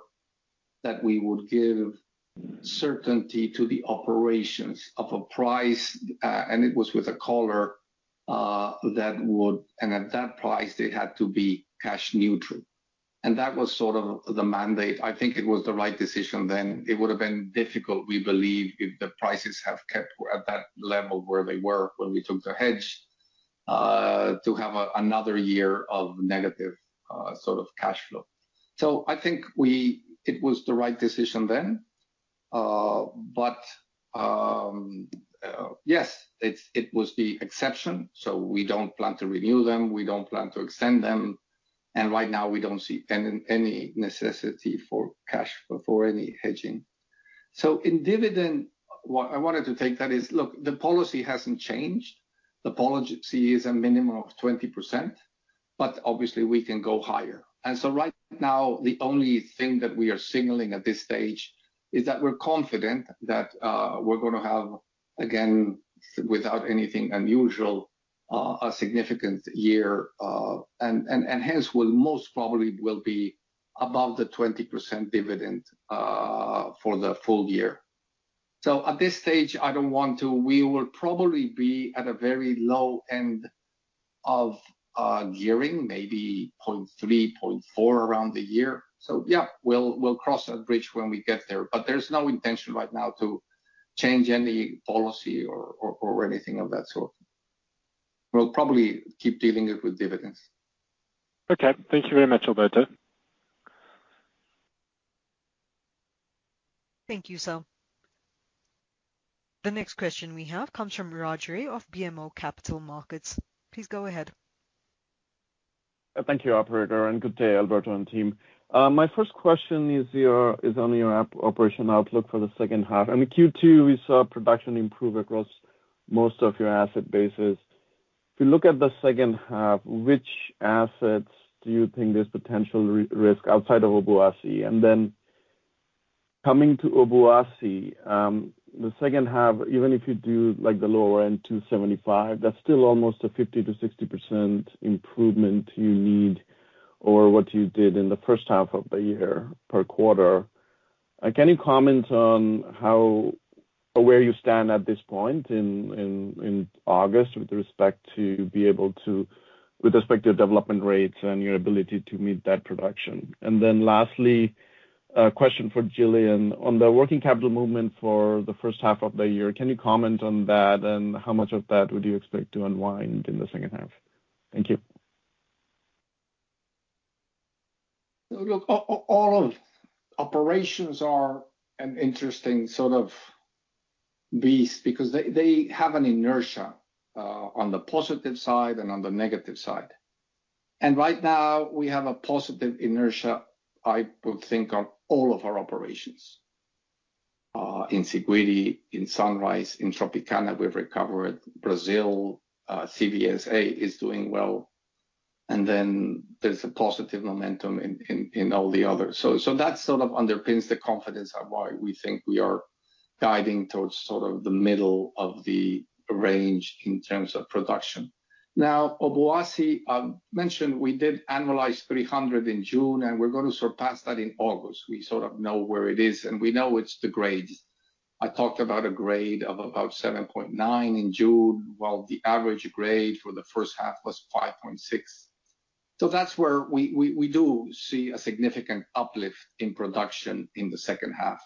that we would give certainty to the operations at a price, and it was with a collar that would—and at that price, it had to be cash neutral. And that was sort of the mandate. I think it was the right decision then. It would have been difficult, we believe, if the prices had kept at that level where they were when we took the hedge, to have another year of negative, sort of cash flow. So I think it was the right decision then. But yes, it's, it was the exception, so we don't plan to renew them. We don't plan to extend them, and right now, we don't see any necessity for cash, for any hedging. So in dividend, what I wanted to take that is, look, the policy hasn't changed. The policy is a minimum of 20%, but obviously we can go higher. And so right now, the only thing that we are signaling at this stage is that we're confident that we're gonna have, again, without anything unusual, a significant year, and hence, we'll most probably will be above the 20% dividend for the full year. So at this stage, I don't want to... We will probably be at a very low end of gearing, maybe 0.3, 0.4 around the year. So yeah, we'll, we'll cross that bridge when we get there, but there's no intention right now to change any policy or, or, or anything of that sort. We'll probably keep dealing it with dividends. Okay. Thank you very much, Alberto. Thank you, sir. The next question we have comes from Raj Ray of BMO Capital Markets. Please go ahead. Thank you, operator, and good day, Alberto and team. My first question is on your operational outlook for the second half, and in Q2, we saw production improve across most of your asset bases. If you look at the second half, which assets do you think there's potential re-risk outside of Obuasi? And then coming to Obuasi, the second half, even if you do like the lower end, 275, that's still almost a 50%-60% improvement you need, or what you did in the first half of the year per quarter. Can you comment on how or where you stand at this point in August with respect to your development rates and your ability to meet that production? And then lastly, a question for Gillian. On the working capital movement for the first half of the year, can you comment on that, and how much of that would you expect to unwind in the second half? Thank you. Look, all operations are an interesting sort of beast because they, they have an inertia on the positive side and on the negative side. Right now, we have a positive inertia, I would think, on all of our operations. In Siguiri, in Sunrise, in Tropicana, we've recovered. Brazil, CVSA is doing well, and then there's a positive momentum in all the others. So that sort of underpins the confidence of why we think we are guiding towards sort of the middle of the range in terms of production. Now, Obuasi, mentioned we did 300 in June, and we're going to surpass that in August. We sort of know where it is, and we know it's the grades. I talked about a grade of about 7.9 in June, while the average grade for the first half was 5.6. So that's where we do see a significant uplift in production in the second half.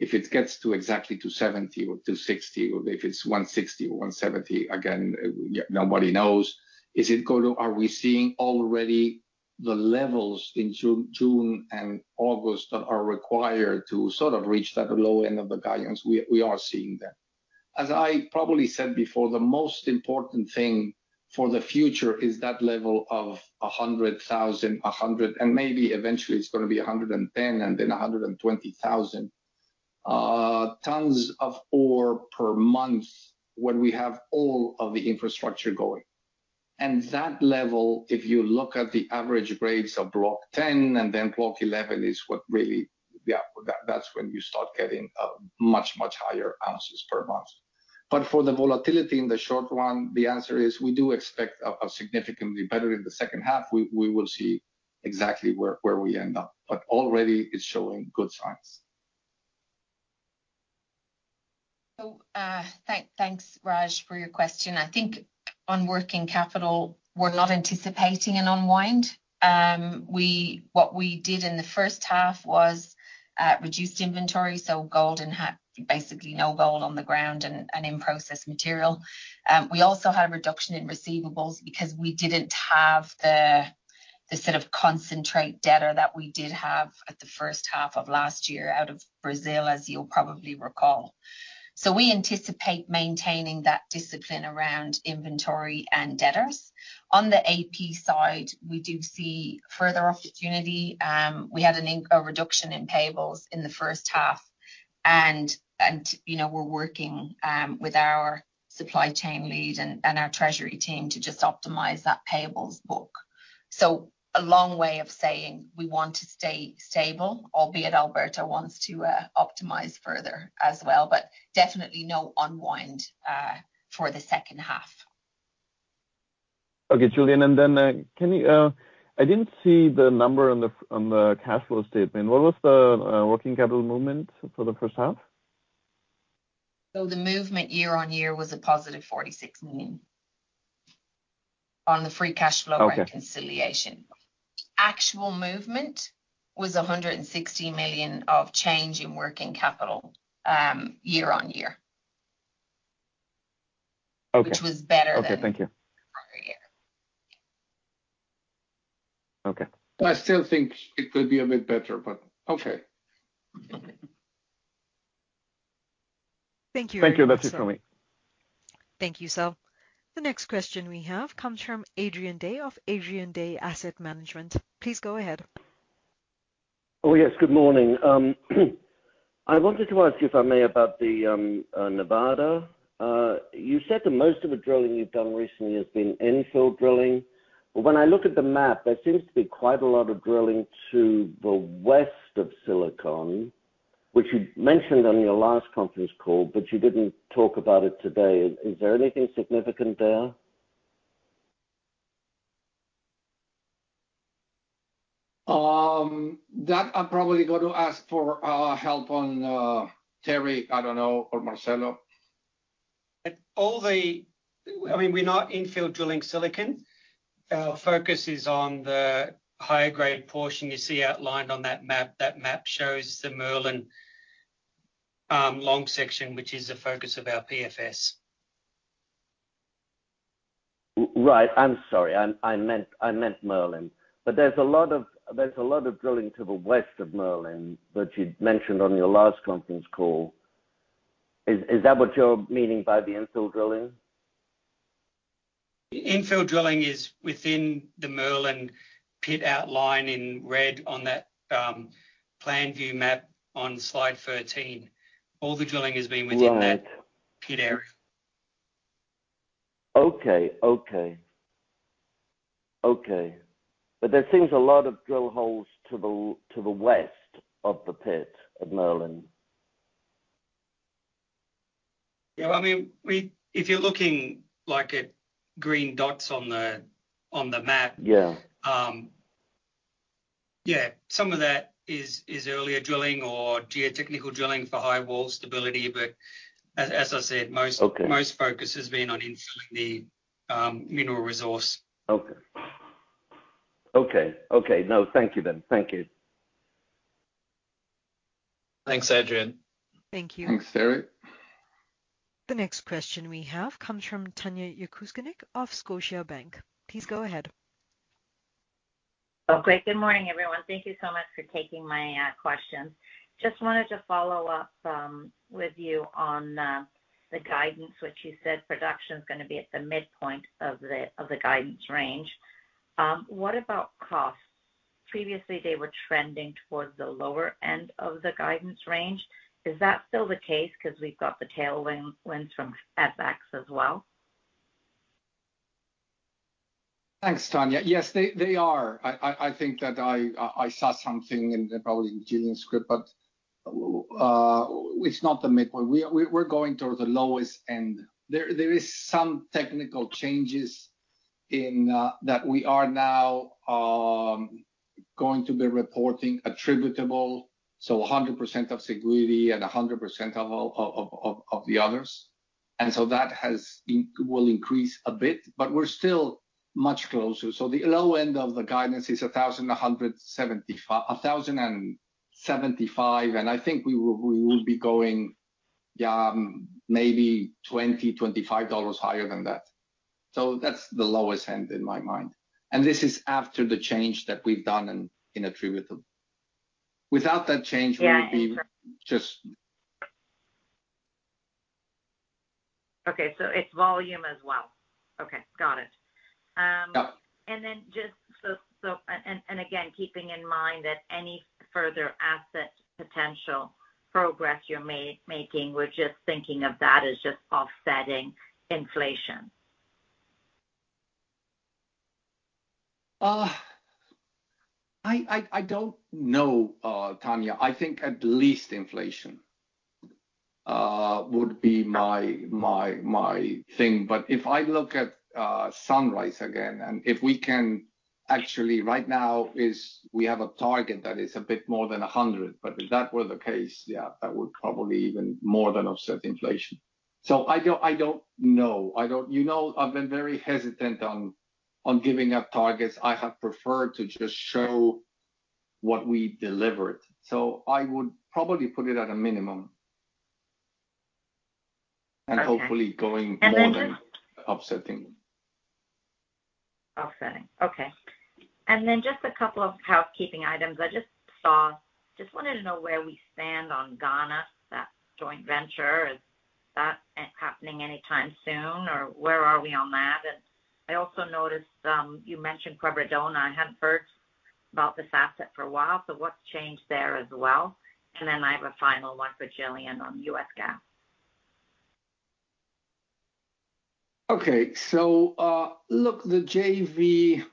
If it gets to exactly 270 or 260, or if it's 160 or 170, again, yeah, nobody knows. Are we seeing already the levels in June and August that are required to sort of reach that low end of the guidance? We are seeing that. As I probably said before, the most important thing for the future is that level of 100,000, 100,000, and maybe eventually it's gonna be 110,000, and then 120,000 tons of ore per month, when we have all of the infrastructure going. That level, if you look at the average grades of Block 10, and then Block 11, is what really... Yeah, that's when you start getting a much, much higher ounces per month. But for the volatility in the short run, the answer is we do expect a significantly better in the second half. We will see exactly where we end up, but already it's showing good signs. So, thanks, Raj, for your question. I think on working capital, we're not anticipating an unwind. What we did in the first half was reduced inventory, so gold and had basically no gold on the ground and in-process material. We also had a reduction in receivables because we didn't have the sort of concentrate debtor that we did have at the first half of last year out of Brazil, as you'll probably recall. So we anticipate maintaining that discipline around inventory and debtors. On the AP side, we do see further opportunity. We had a reduction in payables in the first half, and, you know, we're working with our supply chain lead and our treasury team to just optimize that payables book. So, a long way of saying we want to stay stable, albeit Alberto wants to optimize further as well, but definitely no unwind for the second half.... Okay, Julian, and then, can you, I didn't see the number on the, on the cash flow statement. What was the working capital movement for the first half? The movement year-over-year was +$46 million on the free cash flow. Okay. Reconciliation. Actual movement was $160 million of change in working capital, year-over-year. Okay. Which was better than- Okay, thank you. the prior year. Okay. I still think it could be a bit better, but okay. Thank you. Thank you. That's it for me. Thank you, sir. The next question we have comes from Adrian Day of Adrian Day Asset Management. Please go ahead. Oh, yes, good morning. I wanted to ask you, if I may, about the Nevada. You said that most of the drilling you've done recently has been infill drilling. But when I look at the map, there seems to be quite a lot of drilling to the west of Silicon, which you mentioned on your last conference call, but you didn't talk about it today. Is there anything significant there? That I'm probably going to ask for help on, Terry, I don't know, or Marcelo. I mean, we're not infill drilling Silicon. Our focus is on the higher grade portion you see outlined on that map. That map shows the Merlin long section, which is the focus of our PFS. Right. I'm sorry, I meant Merlin. But there's a lot of drilling to the west of Merlin that you'd mentioned on your last conference call. Is that what you're meaning by the infill drilling? Infill drilling is within the Merlin pit outline in red on that, plan view map on slide 13. All the drilling has been within- Right. that pit area. Okay. But there seems a lot of drill holes to the west of the pit of Merlin. Yeah, I mean, we—if you're looking, like, at green dots on the, on the map- Yeah. Yeah, some of that is earlier drilling or geotechnical drilling for high wall stability, but as I said, most- Okay. Most focus has been on infilling the mineral resource. Okay. Okay, okay. No, thank you, then. Thank you. Thanks, Adrian. Thank you. Thanks, Terry. The next question we have comes from Tanya Jakusconek of Scotiabank. Please go ahead. Okay. Good morning, everyone. Thank you so much for taking my question. Just wanted to follow up with you on the guidance, which you said production is gonna be at the midpoint of the guidance range. What about costs? Previously, they were trending towards the lower end of the guidance range. Is that still the case? Because we've got the tailwinds from FX as well. Thanks, Tanya. Yes, they are. I think that I saw something in the, probably in Gillian's script, but it's not the midpoint. We're going towards the lowest end. There is some technical changes in that we are now going to be reporting attributable, so 100% of Siguiri and 100% of all of the others. And so that will increase a bit, but we're still much closer. So the low end of the guidance is 1,075, and I think we will be going, yeah, maybe $25 higher than that. So that's the lowest end in my mind. And this is after the change that we've done in attributable. Without that change, we would be- Yeah. Just- Okay, so it's volume as well. Okay, got it. Yeah. And then, just again, keeping in mind that any further asset potential progress you're making, we're just thinking of that as just offsetting inflation. I don't know, Tanya. I think at least inflation would be my thing. But if I look at Sunrise again, and if we can actually, right now is we have a target that is a bit more than 100, but if that were the case, yeah, that would probably even more than offset inflation. So I don't know. I don't... You know, I've been very hesitant on giving up targets. I have preferred to just show what we delivered. So I would probably put it at a minimum. Okay. And hopefully going more than- And then just- -offsetting. Offsetting. Okay. And then just a couple of housekeeping items. I just saw. Just wanted to know where we stand on Ghana, that joint venture. Is that happening anytime soon, or where are we on that? And I also noticed, you mentioned Quebradona. I hadn't heard about this asset for a while, so what's changed there as well? And then I have a final one for Gillian on US GAAP. Okay. So, look, the JV-...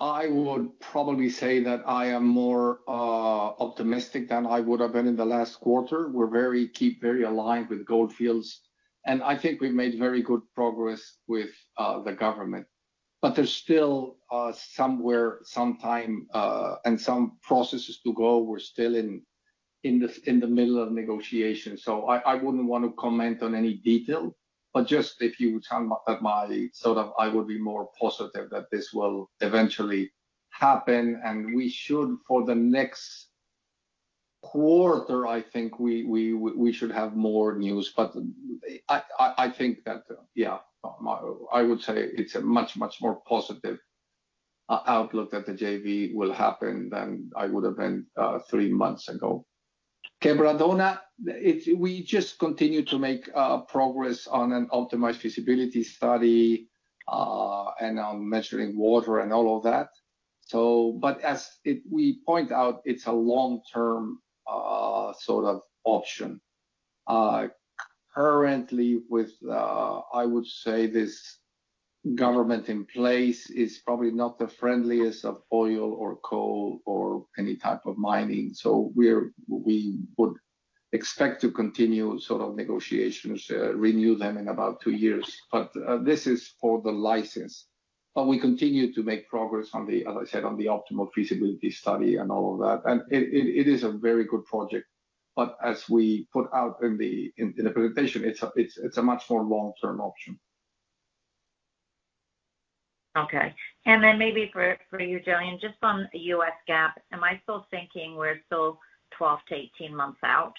I would probably say that I am more optimistic than I would have been in the last quarter. We're very keen, very aligned with Gold Fields, and I think we've made very good progress with the government. But there's still somewhere, some time, and some processes to go. We're still in the middle of negotiations, so I wouldn't want to comment on any detail, but just if you talk about my sort of, I would be more positive that this will eventually happen, and we should for the next quarter, I think we should have more news. But I think that, yeah, I would say it's a much, much more positive outlook that the JV will happen than I would have been three months ago. Quebradona, we just continue to make progress on an optimized feasibility study, and on measuring water and all of that. So but as we point out, it's a long-term sort of option. Currently, with, I would say this government in place, is probably not the friendliest of oil or coal or any type of mining, so we would expect to continue sort of negotiations, renew them in about two years. But this is for the license. But we continue to make progress on the, as I said, on the optimal feasibility study and all of that. And it is a very good project, but as we put out in the presentation, it's a much more long-term option. Okay. Then maybe for you, Gillian, just on U.S. GAAP, am I still thinking we're still 12-18 months out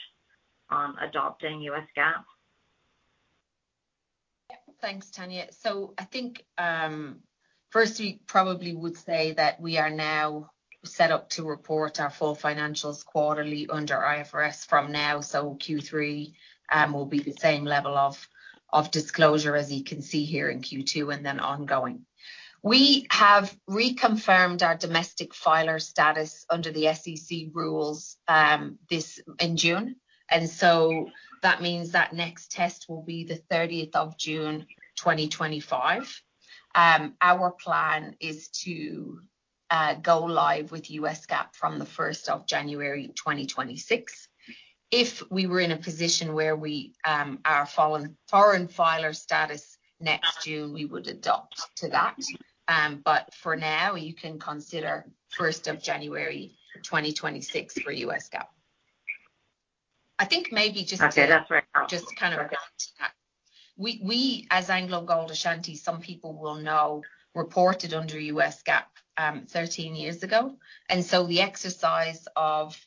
on adopting U.S. GAAP? Yeah. Thanks, Tanya. So I think, first, we probably would say that we are now set up to report our full financials quarterly under IFRS from now. So Q3 will be the same level of disclosure as you can see here in Q2 and then ongoing. We have reconfirmed our domestic filer status under the SEC rules in June, and so that means that next test will be the 30th of June, 2025. Our plan is to go live with US GAAP from the 1st of January, 2026. If we were in a position where we our foreign filer status next June, we would adopt to that. But for now, you can consider 1st of January 2026 for US GAAP. I think maybe just- Okay. That's very helpful. Just to kind of add to that, we, as AngloGold Ashanti, some people will know, reported under U.S. GAAP 13 years ago, and so the exercise of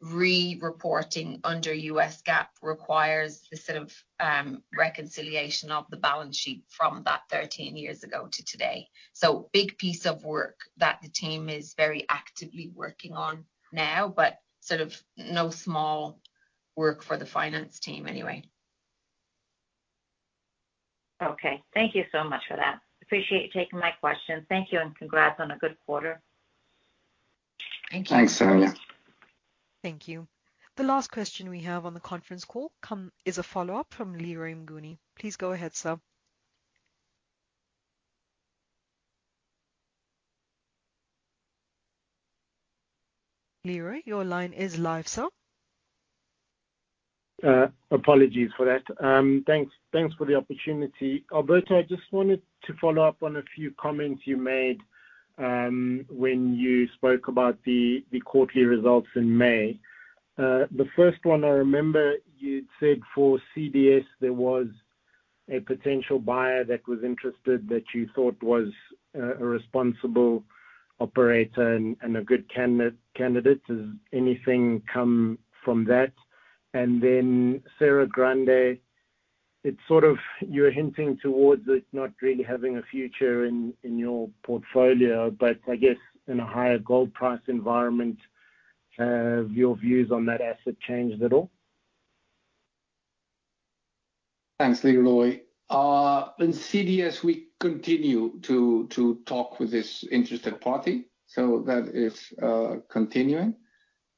re-reporting under U.S. GAAP requires the sort of reconciliation of the balance sheet from that 13 years ago to today. So big piece of work that the team is very actively working on now, but sort of no small work for the finance team anyway. Okay. Thank you so much for that. Appreciate you taking my question. Thank you, and congrats on a good quarter. Thank you. Thanks, Tanya. Thank you. The last question we have on the conference call is a follow-up from Leroy Mnguni. Please go ahead, sir. Leroy, your line is live, sir. Apologies for that. Thanks, thanks for the opportunity. Alberto, I just wanted to follow up on a few comments you made, when you spoke about the quarterly results in May. The first one, I remember you'd said for CDS, there was a potential buyer that was interested that you thought was a responsible operator and a good candidate. Has anything come from that? And then Serra Grande, it's sort of you're hinting towards it not really having a future in your portfolio, but I guess in a higher gold price environment, have your views on that asset changed at all? Thanks, Leroy. In CDS, we continue to talk with this interested party, so that is continuing.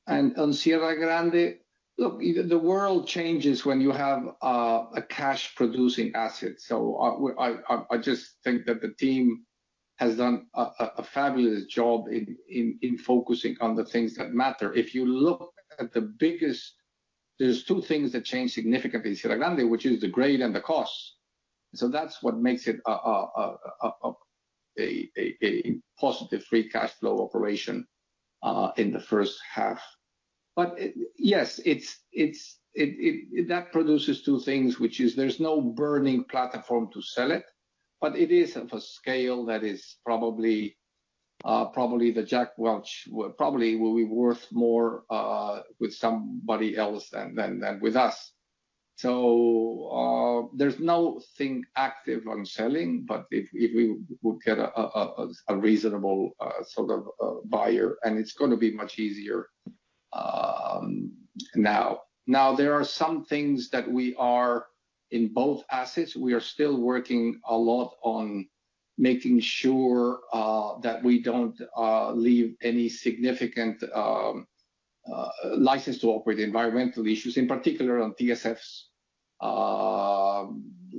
And on Serra Grande, look, the world changes when you have a cash-producing asset. So I just think that the team has done a fabulous job in focusing on the things that matter. If you look at the biggest. There's two things that change significantly in Serra Grande, which is the grade and the cost. So that's what makes it a positive free cash flow operation in the first half. But, yes, it's. It. That produces two things, which is there's no burning platform to sell it, but it is of a scale that is probably the Jack Welch, probably will be worth more with somebody else than with us. So, there's nothing active on selling, but if we would get a reasonable sort of buyer, and it's gonna be much easier now. Now, there are some things that we are, in both assets, we are still working a lot on making sure that we don't leave any significant license to operate, environmental issues, in particular on TSFs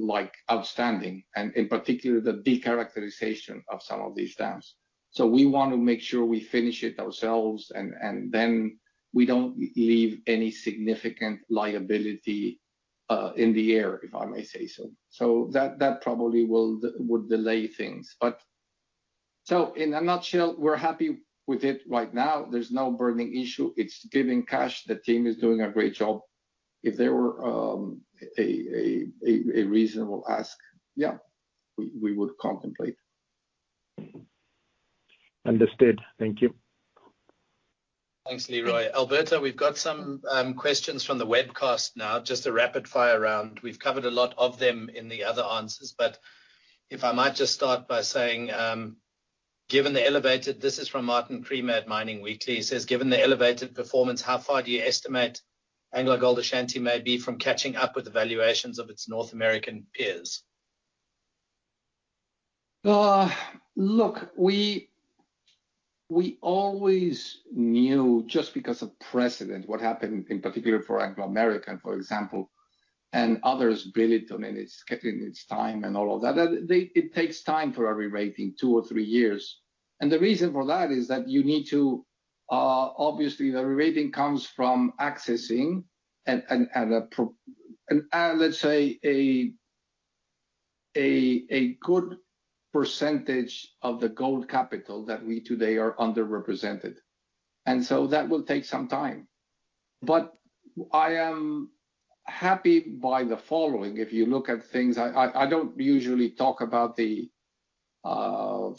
like outstanding, and in particular, the decharacterization of some of these dams. So we want to make sure we finish it ourselves, and then we don't leave any significant liability in the air, if I may say so. So that probably would delay things. But so in a nutshell, we're happy with it. Right now, there's no burning issue. It's giving cash. The team is doing a great job. If there were a reasonable ask, yeah, we would contemplate. Understood. Thank you. Thanks, Leroy. Alberto, we've got some questions from the webcast now, just a rapid-fire round. We've covered a lot of them in the other answers, but if I might just start by saying, "Given the elevated..." This is from Martin Creamer at Mining Weekly. He says, "Given the elevated performance, how far do you estimate AngloGold Ashanti may be from catching up with the valuations of its North American peers? Look, we always knew just because of precedent, what happened in particular for Anglo American, for example, and others, Billiton, and it's getting its time and all of that, that it takes time for a rerating, two or three years. And the reason for that is that you need to obviously, the rerating comes from accessing and let's say a good percentage of the gold capital that we today are underrepresented, and so that will take some time. But I am happy by the following. If you look at things, I don't usually talk about the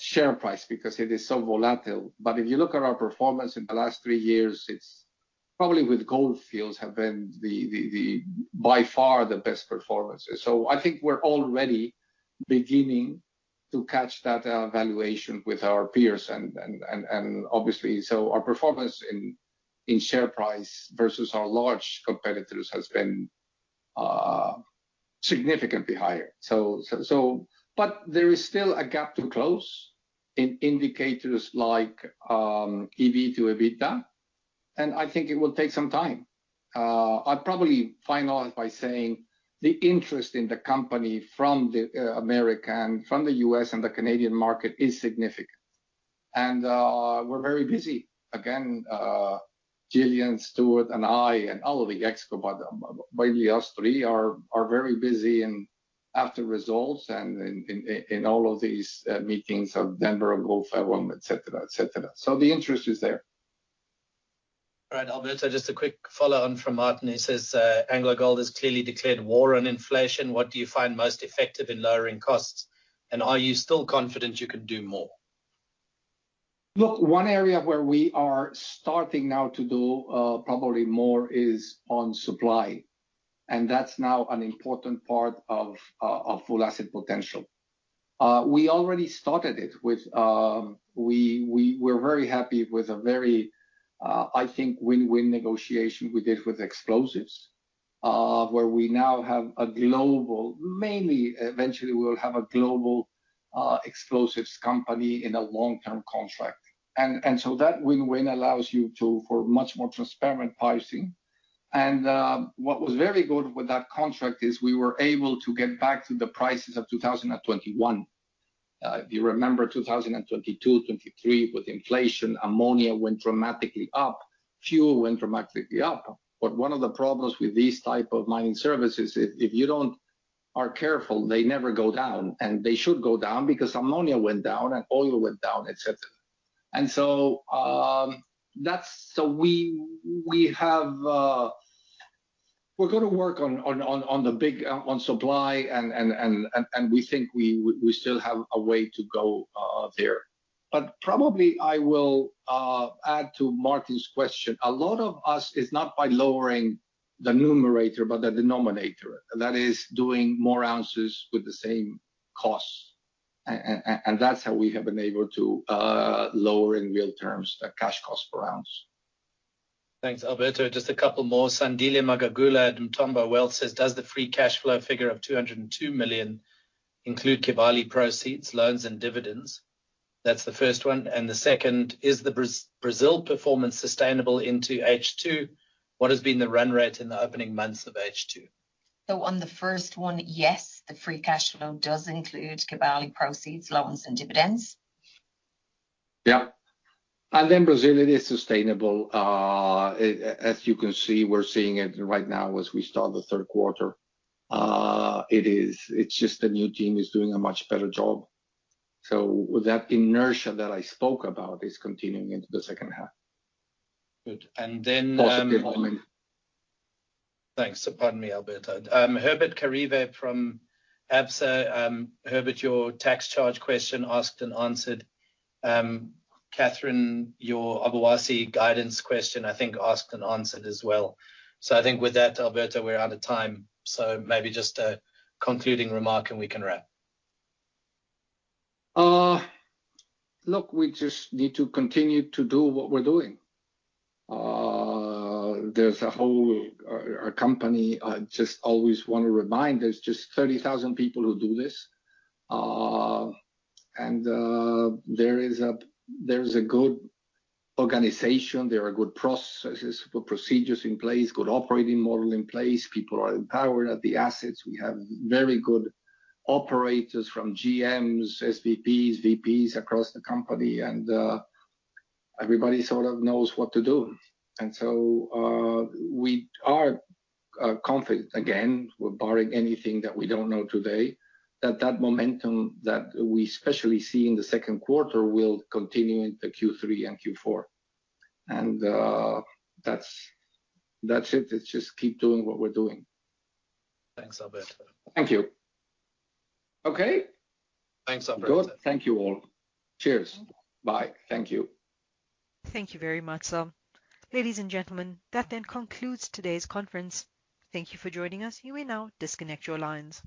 share price because it is so volatile, but if you look at our performance in the last three years, it's probably with Gold Fields have been the by far the best performers. So I think we're already beginning to catch that valuation with our peers and obviously so our performance in share price versus our large competitors has been significantly higher. But there is still a gap to close in indicators like EV to EBITDA, and I think it will take some time. I'd probably finalize by saying the interest in the company from the American, from the US and the Canadian market is significant. And we're very busy. Again, Gillian, Stewart, and I, and all of the exec, but we, us three, are very busy and after results and in all of these meetings in Denver and Gold Forum, et cetera, et cetera. So the interest is there. All right, Alberto, just a quick follow-on from Martin. He says, "AngloGold has clearly declared war on inflation. What do you find most effective in lowering costs? And are you still confident you can do more? Look, one area where we are starting now to do probably more is on supply, and that's now an important part of our Full Asset Potential. We already started it with. We're very happy with a very, I think, win-win negotiation we did with explosives, where we now have a global... mainly, eventually, we'll have a global explosives company in a long-term contract. And so that win-win allows you to for much more transparent pricing. And what was very good with that contract is we were able to get back to the prices of 2021. If you remember, 2022, 2023, with inflation, ammonia went dramatically up, fuel went dramatically up. But one of the problems with these type of mining services is if you are careful, they never go down, and they should go down because ammonia went down, and oil went down, et cetera. And so, that's so we have, we're gonna work on the big on supply, and we think we still have a way to go there. But probably, I will add to Martin's question, a lot of us, it's not by lowering the numerator, but the denominator, that is doing more ounces with the same cost. And that's how we have been able to lower in real terms, the cash cost per ounce. Thanks, Alberto. Just a couple more. Sandile Magagula at Ntumba Wealth says, "Does the free cash flow figure of $202 million include Kibali proceeds, loans, and dividends?" That's the first one, and the second: "Is the Brazil performance sustainable into H2? What has been the run rate in the opening months of H2? On the first one, yes, the free cash flow does include Kibali proceeds, loans, and dividends. Yeah. And in Brazil, it is sustainable. As you can see, we're seeing it right now as we start the third quarter. It is. It's just the new team is doing a much better job. So that inertia that I spoke about is continuing into the second half. Good. And then, Positive momentum. Thanks. Pardon me, Alberto. Herbert Kharivhe from Absa. Herbert, your tax charge question, asked, and answered. Catherine, your Obuasi guidance question, I think, asked and answered as well. So I think with that, Alberto, we're out of time, so maybe just a concluding remark, and we can wrap. Look, we just need to continue to do what we're doing. There's a whole, a company, I just always want to remind, there's just 30,000 people who do this. There is a good organization, there are good processes or procedures in place, good operating model in place. People are empowered at the assets. We have very good operators from GMs, SVPs, VPs across the company, and everybody sort of knows what to do. And so, we are confident, again, we're barring anything that we don't know today, that that momentum that we especially see in the second quarter will continue into Q3 and Q4. That's it. Let's just keep doing what we're doing. Thanks, Alberto. Thank you. Okay? Thanks, Alberto. Good. Thank you, all. Cheers. Bye. Thank you. Thank you very much, sir. Ladies and gentlemen, that then concludes today's conference. Thank you for joining us. You may now disconnect your lines.